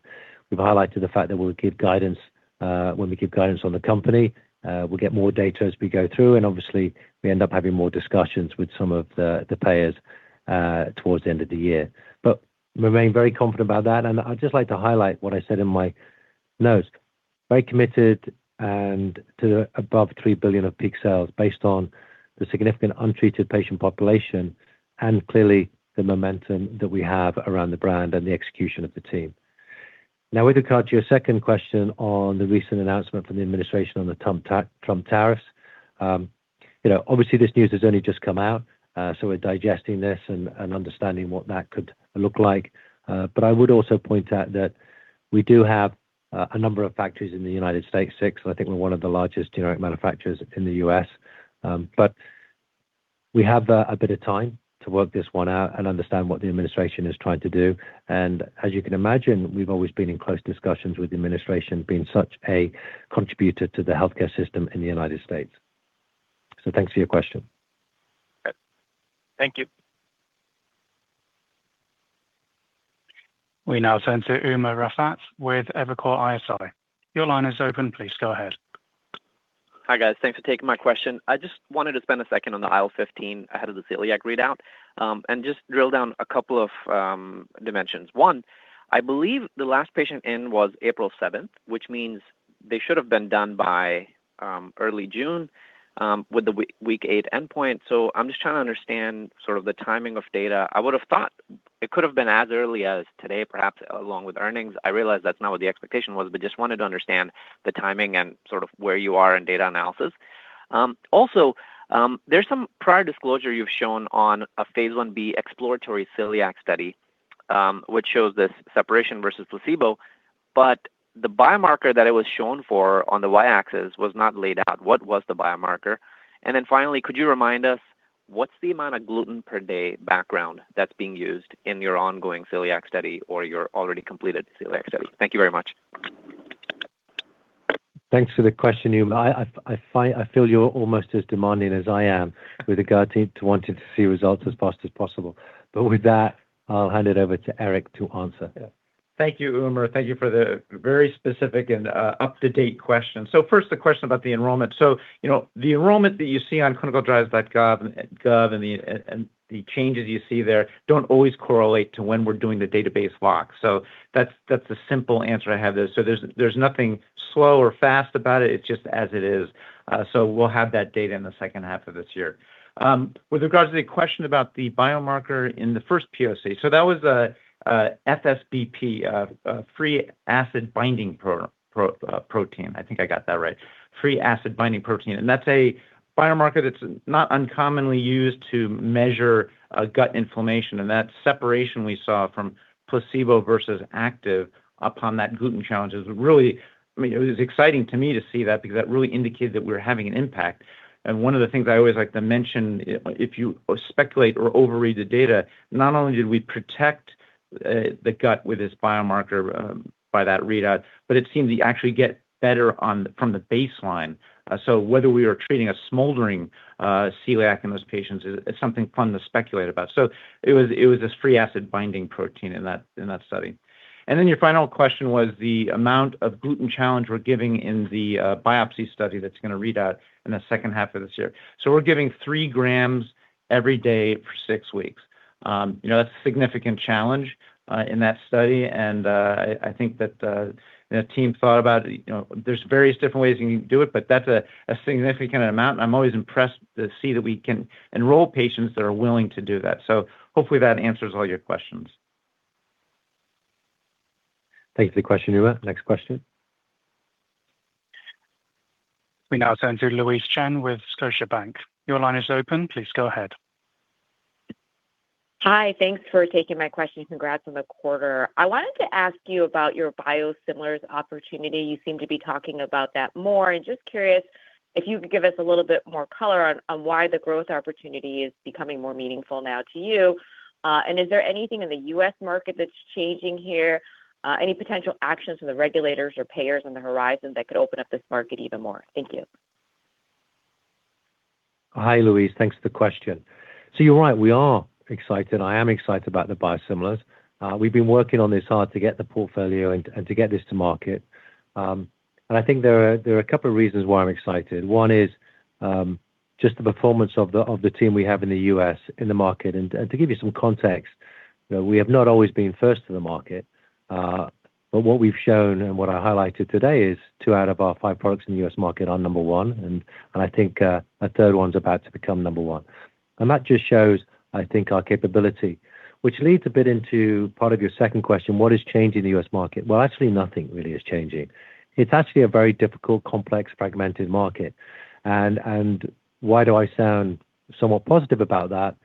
highlighted the fact that we'll give guidance when we give guidance on the company. We'll get more data as we go through, and obviously, we end up having more discussions with some of the payers towards the end of the year. Remain very confident about that. I'd just like to highlight what I said in my notes. Very committed to above $3 billion of peak sales based on the significant untreated patient population and clearly the momentum that we have around the brand and the execution of the team. With regard to your second question on the recent announcement from the administration on the Trump tariffs. Obviously, this news has only just come out, so we're digesting this and understanding what that could look like. I would also point out that we do have a number of factories in the United States, six. I think we're one of the largest generic manufacturers in the U.S. We have a bit of time to work this one out and understand what the administration is trying to do. As you can imagine, we've always been in close discussions with the administration, being such a contributor to the healthcare system in the United States. Thanks for your question. Thank you. We now turn to Umer Raffat with Evercore ISI. Your line is open. Please go ahead. Hi, guys. Thanks for taking my question. I just wanted to spend a second on the IL-15 ahead of the celiac readout and just drill down a couple of dimensions. One, I believe the last patient in was April 7th, which means they should have been done by early June with the week eight endpoint. I'm just trying to understand sort of the timing of data. I would have thought it could have been as early as today, perhaps along with earnings. I realize that is not what the expectation was, just wanted to understand the timing and sort of where you are in data analysis. Also, there is some prior disclosure you have shown on a phase I-B exploratory celiac study which shows this separation versus placebo. The biomarker that it was shown for on the y-axis was not laid out. What was the biomarker? Could you remind us what is the amount of gluten per day background that is being used in your ongoing celiac study or your already completed celiac study? Thank you very much. Thanks for the question, Umer. I feel you are almost as demanding as I am with regard to wanting to see results as fast as possible. With that, I will hand it over to Eric to answer. Thank you, Umer. Thank you for the very specific and up-to-date question. First, the question about the enrollment. The enrollment that you see on clinicaltrials.gov and the changes you see there do not always correlate to when we are doing the database lock. That is the simple answer I have there. There is nothing slow or fast about it. It is just as it is. We will have that data in the second half of this year. With regards to the question about the biomarker in the first POC. That was a FABP, a Free acid binding protein. I think I got that right. Free acid binding protein. That is a biomarker that is not uncommonly used to measure gut inflammation. That separation we saw from placebo versus active upon that gluten challenge is really It was exciting to me to see that because that really indicated that we were having an impact. One of the things I always like to mention, if you speculate or overread the data, not only did we protect the gut with this biomarker by that readout. It seems you actually get better from the baseline. Whether we are treating a smoldering celiac in those patients is something fun to speculate about. It was this fatty acid binding protein in that study. Your final question was the amount of gluten challenge we're giving in the biopsy study that's going to read out in the second half of this year. We're giving three grams every day for six weeks. That's a significant challenge in that study. I think that the team thought about it, there's various different ways you can do it, but that's a significant amount, and I'm always impressed to see that we can enroll patients that are willing to do that. Hopefully that answers all your questions. Thanks for the question, Umer. Next question. We now turn to Louise Chen with Scotiabank. Your line is open. Please go ahead. Hi, thanks for taking my question. Congrats on the quarter. I wanted to ask you about your biosimilars opportunity. You seem to be talking about that more, just curious if you could give us a little bit more color on why the growth opportunity is becoming more meaningful now to you. Is there anything in the U.S. market that's changing here? Any potential actions from the regulators or payers on the horizon that could open up this market even more? Thank you. Hi, Louise. Thanks for the question. You're right, we are excited. I am excited about the biosimilars. We've been working on this hard to get the portfolio and to get this to market. I think there are a couple of reasons why I'm excited. One is just the performance of the team we have in the U.S. in the market. To give you some context, we have not always been first to the market. What we've shown and what I highlighted today is two out of our five products in the U.S. market are number one. I think a third one's about to become number one. That just shows, I think, our capability. Which leads a bit into part of your second question, what is changing in the U.S. market? Well, actually, nothing really is changing. It's actually a very difficult, complex, fragmented market. Why do I sound somewhat positive about that?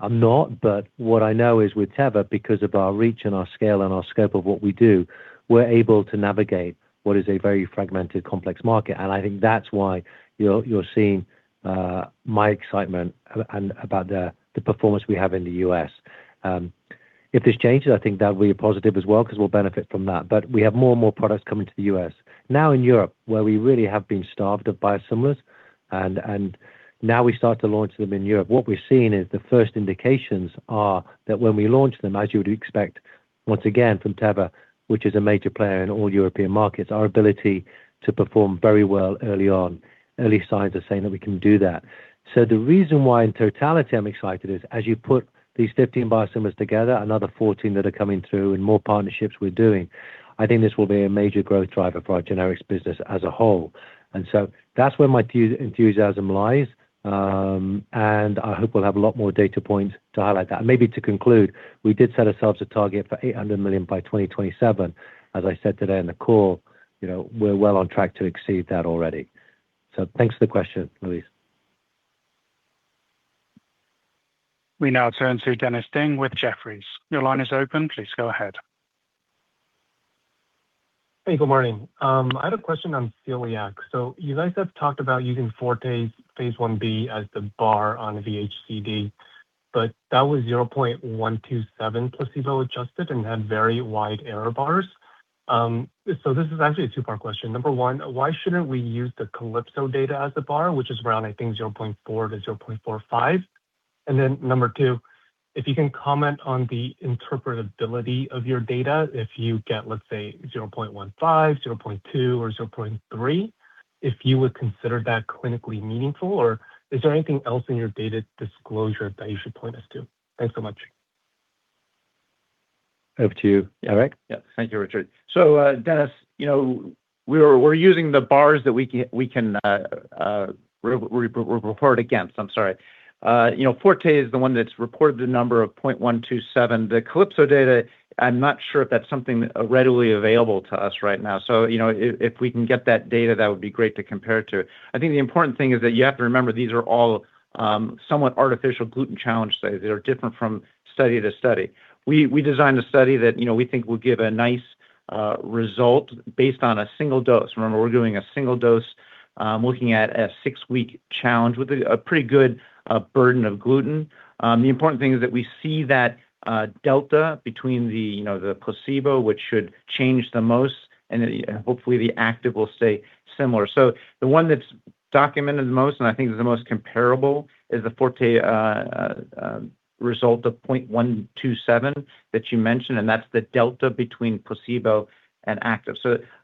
I'm not, what I know is with Teva, because of our reach and our scale and our scope of what we do, we're able to navigate what is a very fragmented, complex market. I think that's why you're seeing my excitement about the performance we have in the U.S.. If this changes, I think that will be a positive as well because we'll benefit from that. We have more and more products coming to the U.S.. Now in Europe, where we really have been starved of biosimilars, now we start to launch them in Europe. What we're seeing is the first indications are that when we launch them, as you would expect, once again from Teva, which is a major player in all European markets, our ability to perform very well early on, early signs are saying that we can do that. The reason why in totality I'm excited is as you put these 15 biosimilars together, another 14 that are coming through and more partnerships we're doing, I think this will be a major growth driver for our generics business as a whole. That's where my enthusiasm lies. I hope we'll have a lot more data points to highlight that. Maybe to conclude, we did set ourselves a target for $800 million by 2027. As I said today in the call, we're well on track to exceed that already. Thanks for the question, Louise. We now turn to Dennis Ding with Jefferies. Your line is open. Please go ahead. Hey, good morning. I had a question on celiac. You guys have talked about using Forte's phase I-B as the bar on VHCD, but that was 0.127 placebo-adjusted and had very wide error bars. This is actually a two-part question. Number one, why shouldn't we use the CALYPSO data as the bar, which is around, I think, 0.4 to 0.45? Number two, if you can comment on the interpretability of your data if you get, let's say, 0.15, 0.2, or 0.3, if you would consider that clinically meaningful, or is there anything else in your data disclosure that you should point us to? Thanks so much. Over to you, Eric. Thank you, Richard. Dennis, we're using the bars that we can report against. I'm sorry. Forte is the one that's reported the number of 0.127. The CALYPSO data, I'm not sure if that's something readily available to us right now. If we can get that data, that would be great to compare to. I think the important thing is that you have to remember, these are all somewhat artificial gluten challenge studies. They are different from study to study. We designed a study that we think will give a nice result based on a single dose. Remember, we're doing a single dose, looking at a six-week challenge with a pretty good burden of gluten. The important thing is that we see that delta between the placebo, which should change the most, and hopefully the active will stay similar. The one that's documented the most, and I think is the most comparable, is the Forte result of 0.127 that you mentioned, and that's the delta between placebo and active.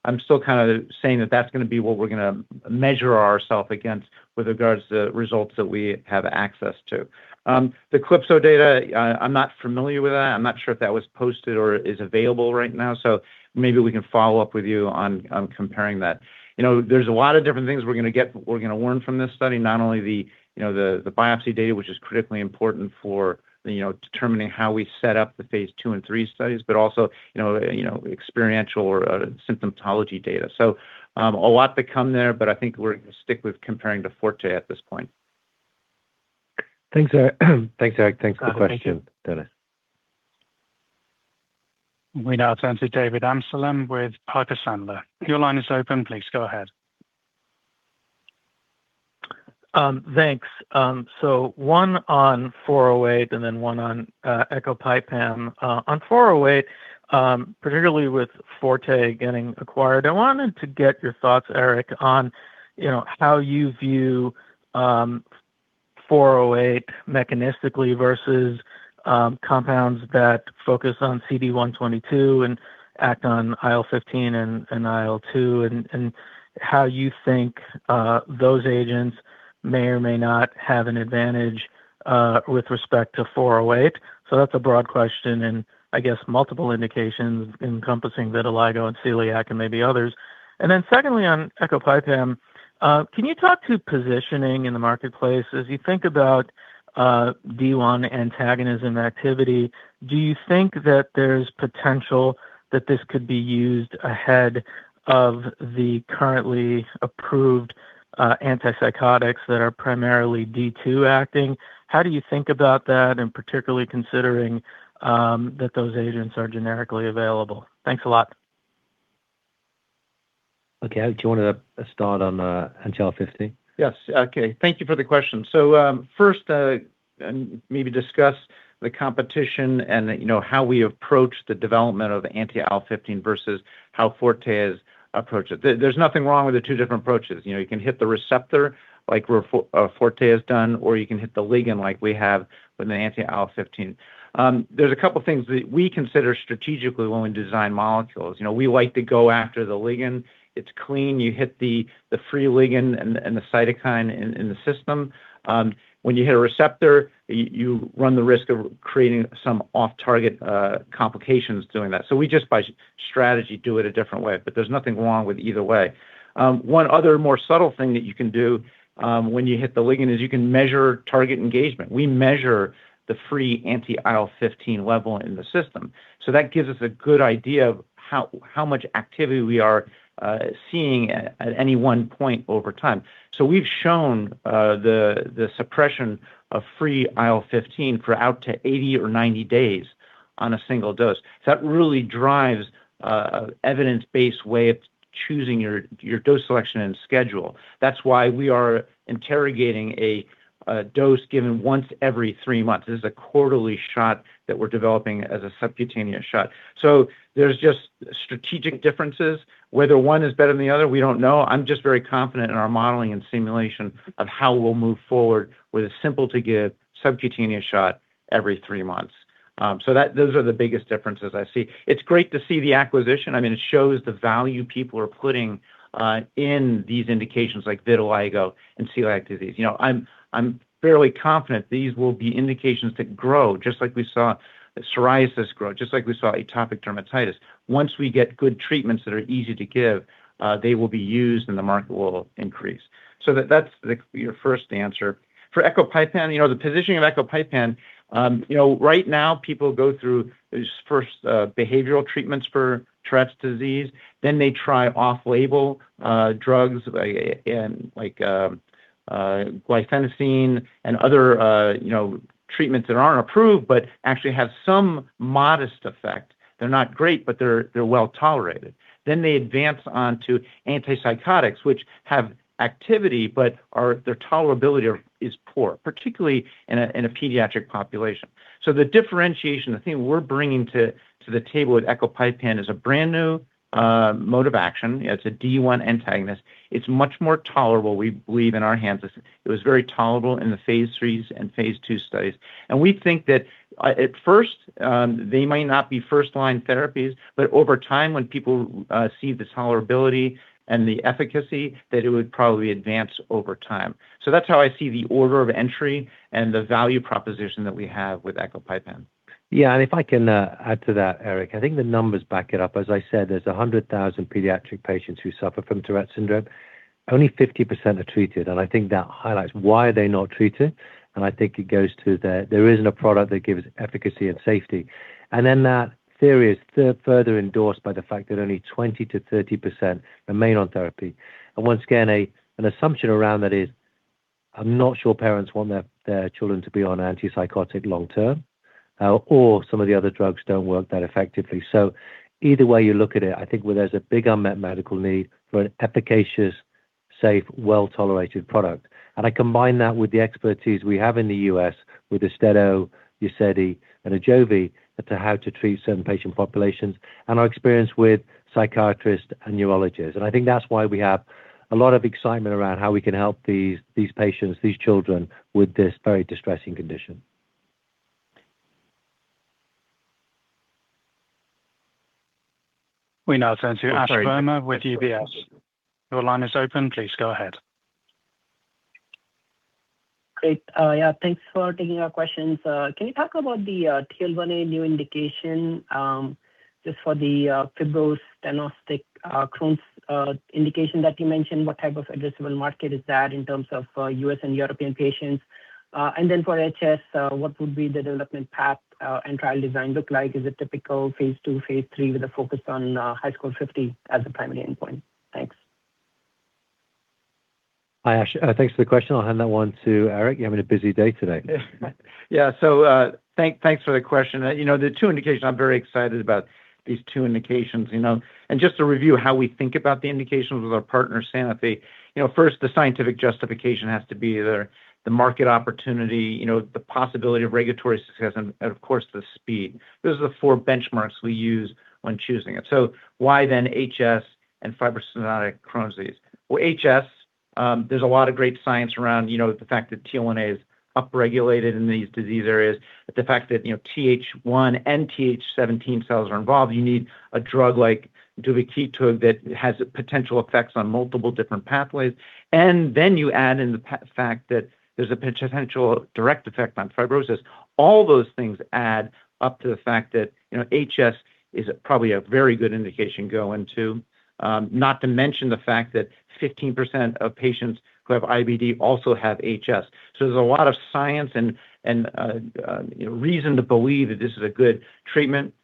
I'm still kind of saying that that's going to be what we're going to measure ourself against with regards to results that we have access to. The CALYPSO data, I'm not familiar with that. I'm not sure if that was posted or is available right now. Maybe we can follow up with you on comparing that. There's a lot of different things we're going to learn from this study, not only the biopsy data, which is critically important for determining how we set up the phase II and III studies, but also experiential or symptomatology data. A lot to come there, but I think we're going to stick with comparing to Forte at this point. Thanks, Eric. Thanks for the question, Dennis. We now turn to David Amsellem with Piper Sandler. Your line is open. Please go ahead. Thanks. One on 408 and then one on ecopipam. On 408, particularly with Forte getting acquired, I wanted to get your thoughts, Eric, on how you view 408 mechanistically versus compounds that focus on CD122 and act on IL-15 and IL-2, and how you think those agents may or may not have an advantage with respect to 408. That's a broad question, and I guess multiple indications encompassing vitiligo and celiac and maybe others. Secondly, on ecopipam, can you talk to positioning in the marketplace as you think about D1 antagonism activity? Do you think that there's potential that this could be used ahead of the currently approved antipsychotics that are primarily D2 acting? How do you think about that, and particularly considering that those agents are generically available? Thanks a lot. Do you want to start on anti-IL-15? Thank you for the question. First maybe discuss the competition and how we approach the development of anti-IL-15 versus how Forte has approached it. There is nothing wrong with the two different approaches. You can hit the receptor like Forte has done, or you can hit the ligand like we have with an anti-IL-15. There is a couple things that we consider strategically when we design molecules. We like to go after the ligand. It is clean. You hit the free ligand and the cytokine in the system. When you hit a receptor, you run the risk of creating some off-target complications doing that. We just by strategy do it a different way, but there is nothing wrong with either way. One other more subtle thing that you can do when you hit the ligand is you can measure target engagement. We measure the free anti-IL-15 level in the system. That gives us a good idea of how much activity we are seeing at any one point over time. We have shown the suppression of free IL-15 for out to 80 or 90 days on a single dose. That really drives evidence-based way of choosing your dose selection and schedule. That is why we are interrogating a dose given once every three months. This is a quarterly shot that we are developing as a subcutaneous shot. There is just strategic differences. Whether one is better than the other, we do not know. I am just very confident in our modeling and simulation of how we will move forward with a simple-to-give subcutaneous shot every three months. Those are the biggest differences I see. It is great to see the acquisition. It shows the value people are putting in these indications like vitiligo and celiac disease. I am fairly confident these will be indications that grow just like we saw psoriasis grow, just like we saw atopic dermatitis. Once we get good treatments that are easy to give, they will be used and the market will increase. That is your first answer. For ecopipam, the positioning of ecopipam, right now people go through these first behavioral treatments for Tourette syndrome. They try off-label drugs like guanfacine and other treatments that are not approved but actually have some modest effect. They are not great, but they are well-tolerated. They advance on to antipsychotics, which have activity, but their tolerability is poor, particularly in a pediatric population. The differentiation, the thing we are bringing to the table with ecopipam is a brand-new mode of action. It is a D1 antagonist. It is much more tolerable, we believe, in our hands. It was very tolerable in the phase III and phase II studies. We think that at first, they might not be first-line therapies, but over time when people see the tolerability and the efficacy, that it would probably advance over time. That's how I see the order of entry and the value proposition that we have with ecopipam. And if I can add to that, Eric, I think the numbers back it up. As I said, there's 100,000 pediatric patients who suffer from Tourette syndrome. Only 50% are treated, and I think that highlights why they're not treated. I think it goes to there isn't a product that gives efficacy and safety. That theory is further endorsed by the fact that only 20%-30% remain on therapy. Once again, an assumption around that is, I'm not sure parents want their children to be on antipsychotic long-term, or some of the other drugs don't work that effectively. Either way you look at it, I think there's a big unmet medical need for an efficacious, safe, well-tolerated product. I combine that with the expertise we have in the U.S. with AUSTEDO, risperidone, and AJOVY to how to treat certain patient populations and our experience with psychiatrists and neurologists. I think that's why we have a lot of excitement around how we can help these patients, these children with this very distressing condition. We now turn to Ash Verma with UBS. Your line is open. Please go ahead. Great. Thanks for taking our questions. Can you talk about the TL1A new indication, just for the fibrostenotic Crohn's indication that you mentioned? What type of addressable market is that in terms of U.S. and European patients? For HS, what would be the development path and trial design look like? Is it typical phase II, phase III with a focus on HiSCR50 as the primary endpoint? Thanks. Hi, Ash. Thanks for the question. I'll hand that one to Eric. You're having a busy day today. Thanks for the question. There are two indications. I'm very excited about these two indications. Just to review how we think about the indications with our partner, Sanofi. First, the scientific justification has to be there, the market opportunity, the possibility of regulatory success, and of course, the speed. Those are the four benchmarks we use when choosing it. Why then HS and fibrostenotic Crohn's disease? HS, there's a lot of great science around the fact that TL1A is upregulated in these disease areas, the fact that TH1 and TH17 cells are involved. You need a drug like duvakitug that has potential effects on multiple different pathways. You add in the fact that there's a potential direct effect on fibrosis. All those things add up to the fact that HS is probably a very good indication go into. Not to mention the fact that 15% of patients who have IBD also have HS. There's a lot of science and reason to believe that this is a good treatment.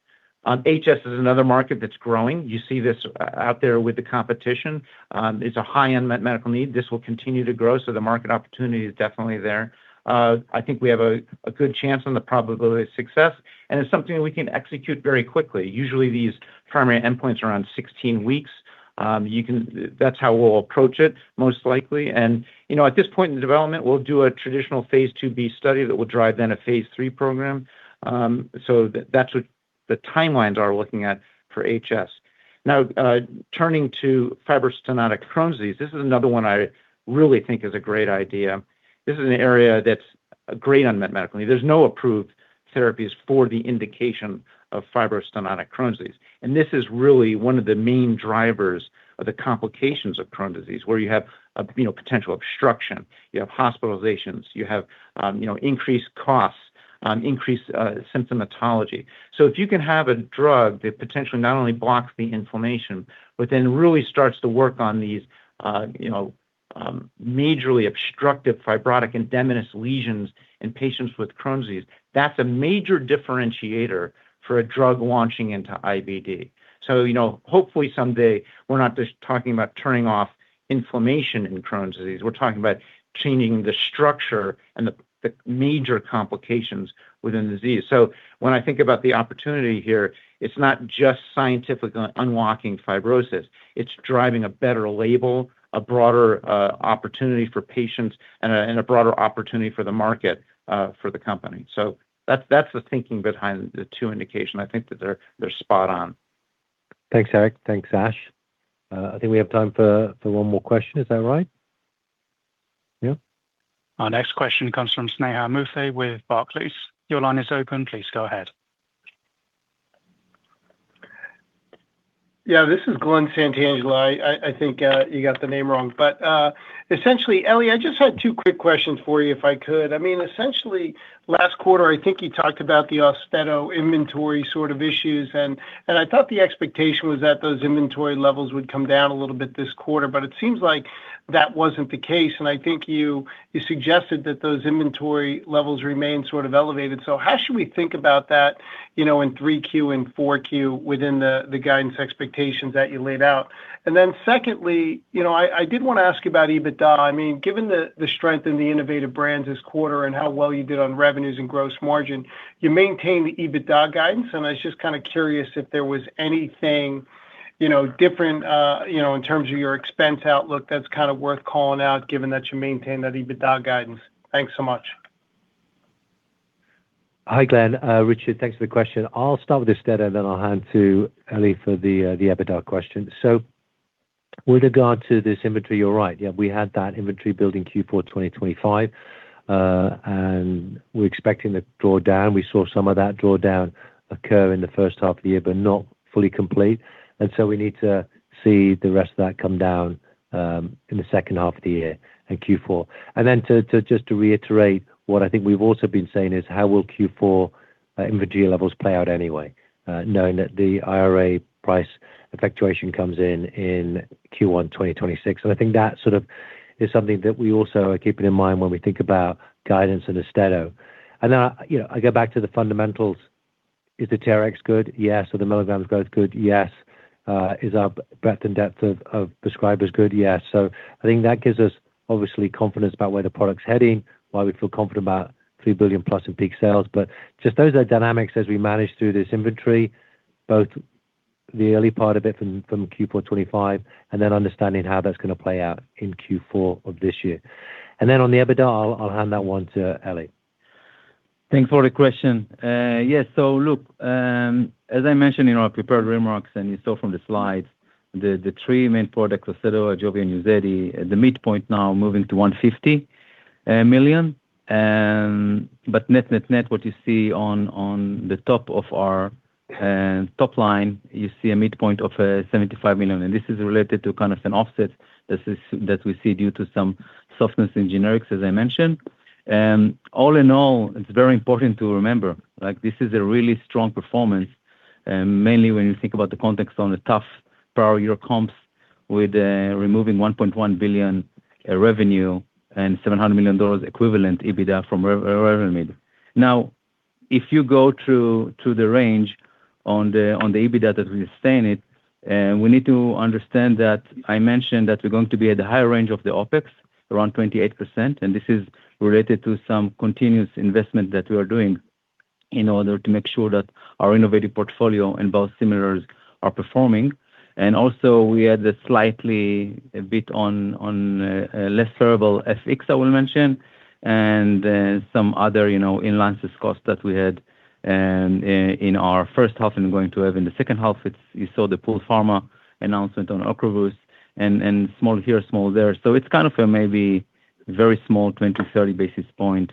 HS is another market that's growing. You see this out there with the competition. It's a high-end medical need. This will continue to grow, the market opportunity is definitely there. I think we have a good chance on the probability of success, and it's something we can execute very quickly. Usually, these primary endpoints are around 16 weeks. That's how we'll approach it most likely. At this point in the development, we'll do a traditional phase II-B study that will drive a phase III program. That's what the timelines are we're looking at for HS. Turning to fibrostenotic Crohn's disease, this is another one I really think is a great idea. This is an area that's a great unmet medical need. There's no approved therapies for the indication of fibrostenotic Crohn's disease. This is really one of the main drivers of the complications of Crohn's disease, where you have potential obstruction, you have hospitalizations, you have increased costs, increased symptomatology. If you can have a drug that potentially not only blocks the inflammation, but then really starts to work on these majorly obstructive fibrotic and edematous lesions in patients with Crohn's disease, that's a major differentiator for a drug launching into IBD. Hopefully someday we're not just talking about turning off inflammation in Crohn's disease. We're talking about changing the structure and the major complications within the disease. When I think about the opportunity here, it's not just scientifically unlocking fibrosis, it's driving a better label, a broader opportunity for patients, and a broader opportunity for the market for the company. That's the thinking behind the two indication. I think that they're spot on. Thanks, Eric. Thanks, Ash. I think we have time for one more question. Is that right? Our next question comes from Sneha Muthe with Barclays. Your line is open. Please go ahead. This is Glen Santangelo. I think you got the name wrong. Essentially, Eli, I just had two quick questions for you, if I could. Essentially, last quarter, I think you talked about the AUSTEDO inventory sort of issues. I thought the expectation was that those inventory levels would come down a little bit this quarter, but it seems like that wasn't the case. I think you suggested that those inventory levels remain sort of elevated. How should we think about that in 3Q and 4Q within the guidance expectations that you laid out? Then secondly, I did want to ask you about EBITDA. Given the strength in the innovative brands this quarter and how well you did on revenues and gross margin, you maintained the EBITDA guidance. I was just kind of curious if there was anything different in terms of your expense outlook that's worth calling out, given that you maintained that EBITDA guidance. Thanks so much. Hi, Glen. Richard, thanks for the question. I'll start with AUSTEDO, then I'll hand to Eli for the EBITDA question. With regard to this inventory, you're right. We had that inventory build in Q4 2025, and we're expecting the drawdown. We saw some of that drawdown occur in the first half of the year, but not fully complete. So we need to see the rest of that come down in the second half of the year in Q4. Then just to reiterate what I think we've also been saying is how will Q4 inventory levels play out anyway, knowing that the IRA price effectuation comes in in Q1 2026. I think that sort of is something that we also are keeping in mind when we think about guidance in AUSTEDO. I go back to the fundamentals. Is the TRx good? Yes. Are the milligrams growth good? Yes. Is our breadth and depth of prescribers good? Yes. I think that gives us obviously confidence about where the product's heading, why we feel confident about $3 billion plus in peak sales. Just those are dynamics as we manage through this inventory, both the early part of it from Q4 2025, then understanding how that's going to play out in Q4 of this year. Then on the EBITDA, I'll hand that one to Eli. Thanks for the question. Yes. As I mentioned in our prepared remarks, and you saw from the slides, the three main products, AUSTEDO, AJOVY, and UZEDY, at the midpoint now moving to $150 million. Net-net-net, what you see on the top of our top line, you see a midpoint of $75 million. This is related to kind of an offset that we see due to some softness in generics, as I mentioned. All in all, it's very important to remember, this is a really strong performance, mainly when you think about the context on the tough prior year comps with removing $1.1 billion revenue and $700 million equivalent EBITDA from Revlimid. If you go through to the range on the EBITDA that we are stating, and we need to understand that I mentioned that we're going to be at the higher range of the OpEx, around 28%, and this is related to some continuous investment that we are doing in order to make sure that our innovative portfolio and biosimilars are performing. Also we had a slightly less favorable FX, I will mention, and then some other in-licensing costs that we had in our first half and going to have in the second half. You saw the Polpharma announcement on Ocrevus and small here, small there. It's kind of a maybe very small 20, 30 basis points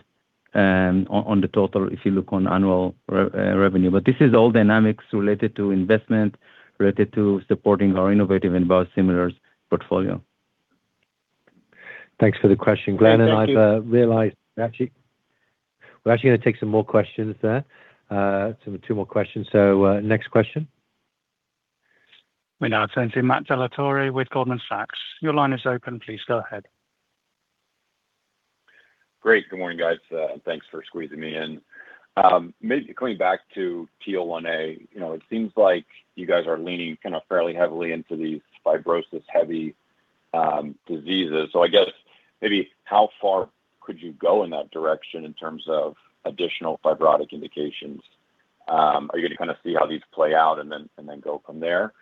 on the total, if you look on annual revenue. This is all dynamics related to investment, related to supporting our innovative and biosimilars portfolio. Thanks for the question, Glen. Thank you. I've realized actually, we're actually going to take some more questions there. Two more questions. Next question. We now turn to Matt Dellatorre with Goldman Sachs. Your line is open. Please go ahead. Great. Good morning, guys. Thanks for squeezing me in. Coming back to TL1A, it seems like you guys are leaning kind of fairly heavily into these fibrosis-heavy diseases. I guess maybe how far could you go in that direction in terms of additional fibrotic indications? Are you going to kind of see how these play out and then go from there?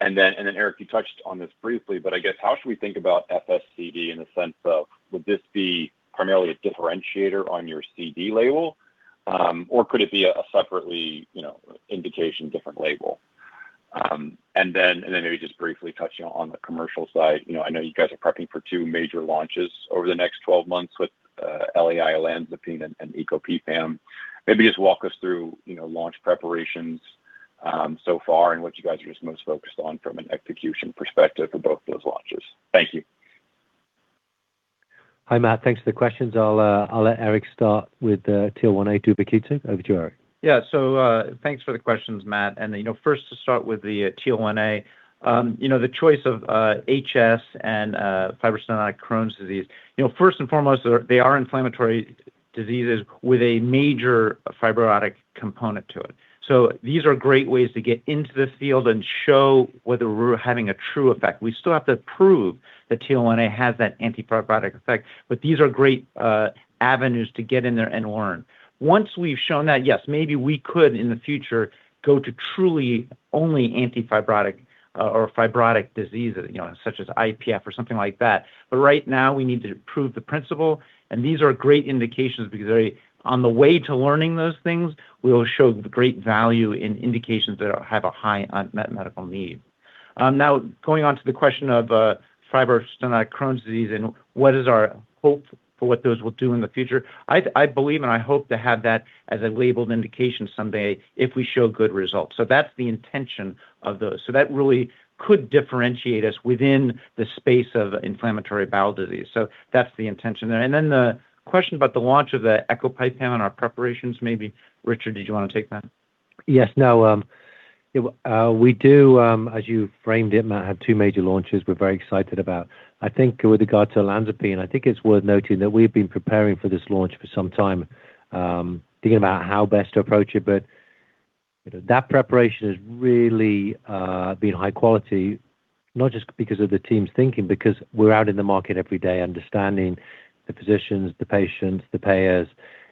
Then, Eric, you touched on this briefly, but I guess how should we think about FSCD in the sense of would this be primarily a differentiator on your CD label? Or could it be a separately indication different label? Then maybe just briefly touching on the commercial side. I know you guys are prepping for two major launches over the next 12 months with LAI and ecopipam. Just walk us through launch preparations so far and what you guys are most focused on from an execution perspective for both of those launches. Thank you. Hi, Matt. Thanks for the questions. I'll let Eric Hughes start with the TL1A duvakitug. Over to you, Eric. Thanks for the questions, Matt. First to start with the TL1A, the choice of HS and fibrostenotic Crohn's disease. First and foremost, they are inflammatory diseases with a major fibrotic component to it. These are great ways to get into this field and show whether we're having a true effect. We still have to prove that TL1A has that anti-fibrotic effect, these are great avenues to get in there and learn. Once we've shown that, yes, maybe we could in the future go to truly only anti-fibrotic or fibrotic diseases, such as IPF or something like that. Right now, we need to prove the principle, and these are great indications because on the way to learning those things, we will show great value in indications that have a high unmet medical need. Going on to the question of fibrostenotic Crohn's disease what is our hope for what those will do in the future. I believe I hope to have that as a labeled indication someday if we show good results. That's the intention of those. That really could differentiate us within the space of inflammatory bowel disease. That's the intention there. The question about the launch of the ecopipam our preparations, maybe, Richard, did you want to take that? We do, as you framed it, Matt, have two major launches we're very excited about. I think with regards to Olanzapine, I think it's worth noting that we've been preparing for this launch for some time, thinking about how best to approach it. That preparation has really been high quality, not just because of the team's thinking, because we're out in the market every day understanding the physicians, the patients, the payers,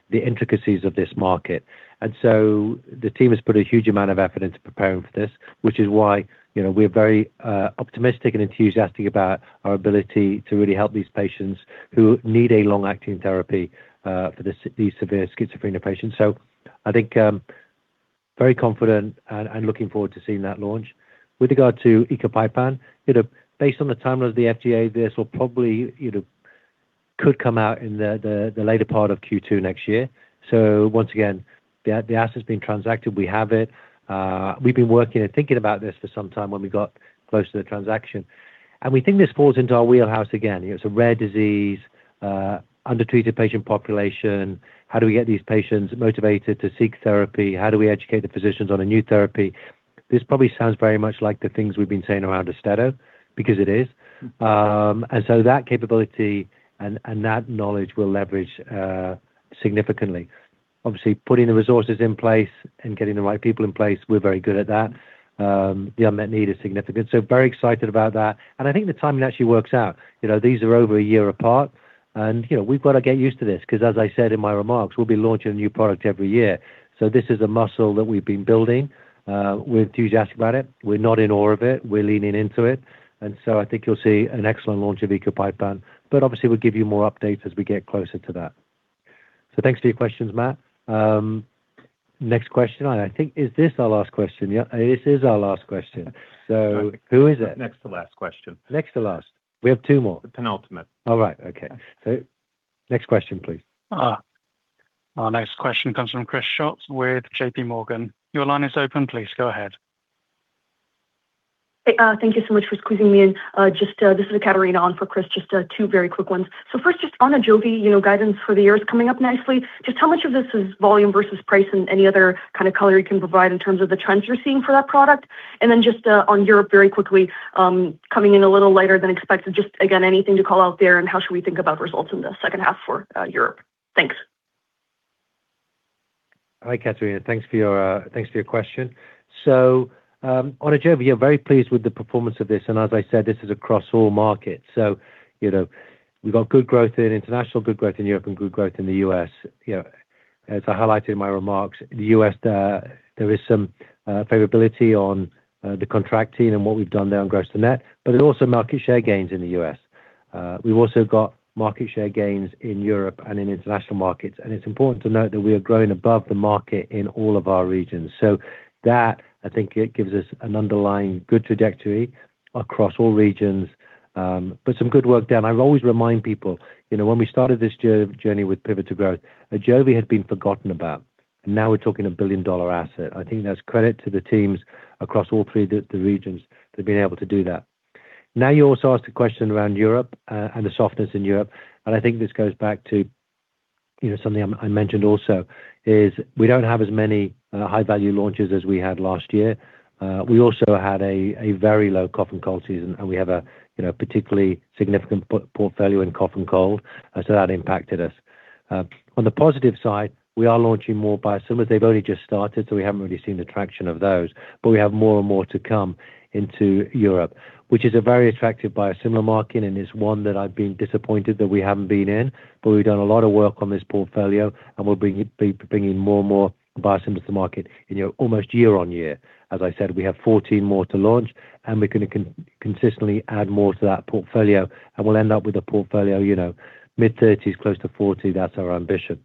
the intricacies of this market. The team has put a huge amount of effort into preparing for this, which is why we're very optimistic and enthusiastic about our ability to really help these patients who need a long-acting therapy for these severe schizophrenia patients. I think I'm very confident and looking forward to seeing that launch. With regard to ecopipam, based on the timeline of the FDA, this will probably come out in the later part of Q2 next year. Once again, the asset's been transacted. We have it. We've been working and thinking about this for some time when we got close to the transaction. We think this falls into our wheelhouse again. It's a rare disease, undertreated patient population. How do we get these patients motivated to seek therapy? How do we educate the physicians on a new therapy? This probably sounds very much like the things we've been saying around AUSTEDO, because it is. That capability and that knowledge will leverage significantly. Obviously, putting the resources in place and getting the right people in place, we're very good at that. The unmet need is significant. Very excited about that. I think the timing actually works out. These are over a year apart and we've got to get used to this because as I said in my remarks, we'll be launching a new product every year. This is a muscle that we've been building. We're enthusiastic about it. We're not in awe of it. We're leaning into it. I think you'll see an excellent launch of ecopipam, but obviously we'll give you more updates as we get closer to that. Thanks for your questions, Matt. Next question, I think, is this our last question? Yeah, this is our last question. Who is it? Next to last question. Next to last. We have two more. Penultimate. All right. Okay. Next question, please. Our next question comes from Chris Schott with J.P. Morgan. Your line is open. Please go ahead. Thank you so much for squeezing me in. This is Ekaterina on for Chris, just two very quick ones. First, just on AJOVY, guidance for the year is coming up nicely. Just how much of this is volume versus price and any other kind of color you can provide in terms of the trends you're seeing for that product? Then just on Europe very quickly, coming in a little later than expected. Again, anything to call out there and how should we think about results in the second half for Europe? Thanks. Hi, Ekaterina. Thanks for your question. On AJOVY, we are very pleased with the performance of this, and as I said, this is across all markets. We've got good growth in international, good growth in Europe, and good growth in the U.S.. As I highlighted in my remarks, the U.S., there is some favorability on the contracting and what we've done there on gross to net, but there are also market share gains in the U.S.. We've also got market share gains in Europe and in international markets. It's important to note that we are growing above the market in all of our regions. That, I think it gives us an underlying good trajectory across all regions, but some good work done. I always remind people, when we started this journey with Pivot to Growth, AJOVY had been forgotten about. Now we're talking a billion-dollar asset. I think that's credit to the teams across all three of the regions. They've been able to do that. You also asked a question around Europe, and the softness in Europe. I think this goes back to something I mentioned also is we don't have as many high-value launches as we had last year. We also had a very low cough and cold season, and we have a particularly significant portfolio in cough and cold, so that impacted us. On the positive side, we are launching more biosimilars. They've only just started, so we haven't really seen the traction of those. We have more and more to come into Europe, which is a very attractive biosimilar market, and it's one that I've been disappointed that we haven't been in. We've done a lot of work on this portfolio, and we'll be bringing more and more biosimilars to market in almost year-on-year. As I said, we have 14 more to launch, and we're going to consistently add more to that portfolio, and we'll end up with a portfolio mid-30s, close to 40. That's our ambition.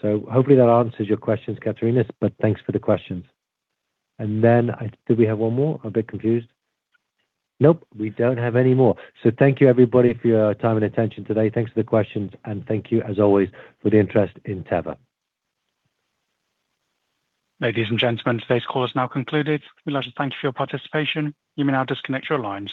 Hopefully that answers your questions, Ekaterina, thanks for the questions. Do we have one more? I'm a bit confused. Nope, we don't have any more. Thank you everybody for your time and attention today. Thanks for the questions, and thank you, as always, for the interest in Teva. Ladies and gentlemen, today's call is now concluded. We'd like to thank you for your participation. You may now disconnect your lines.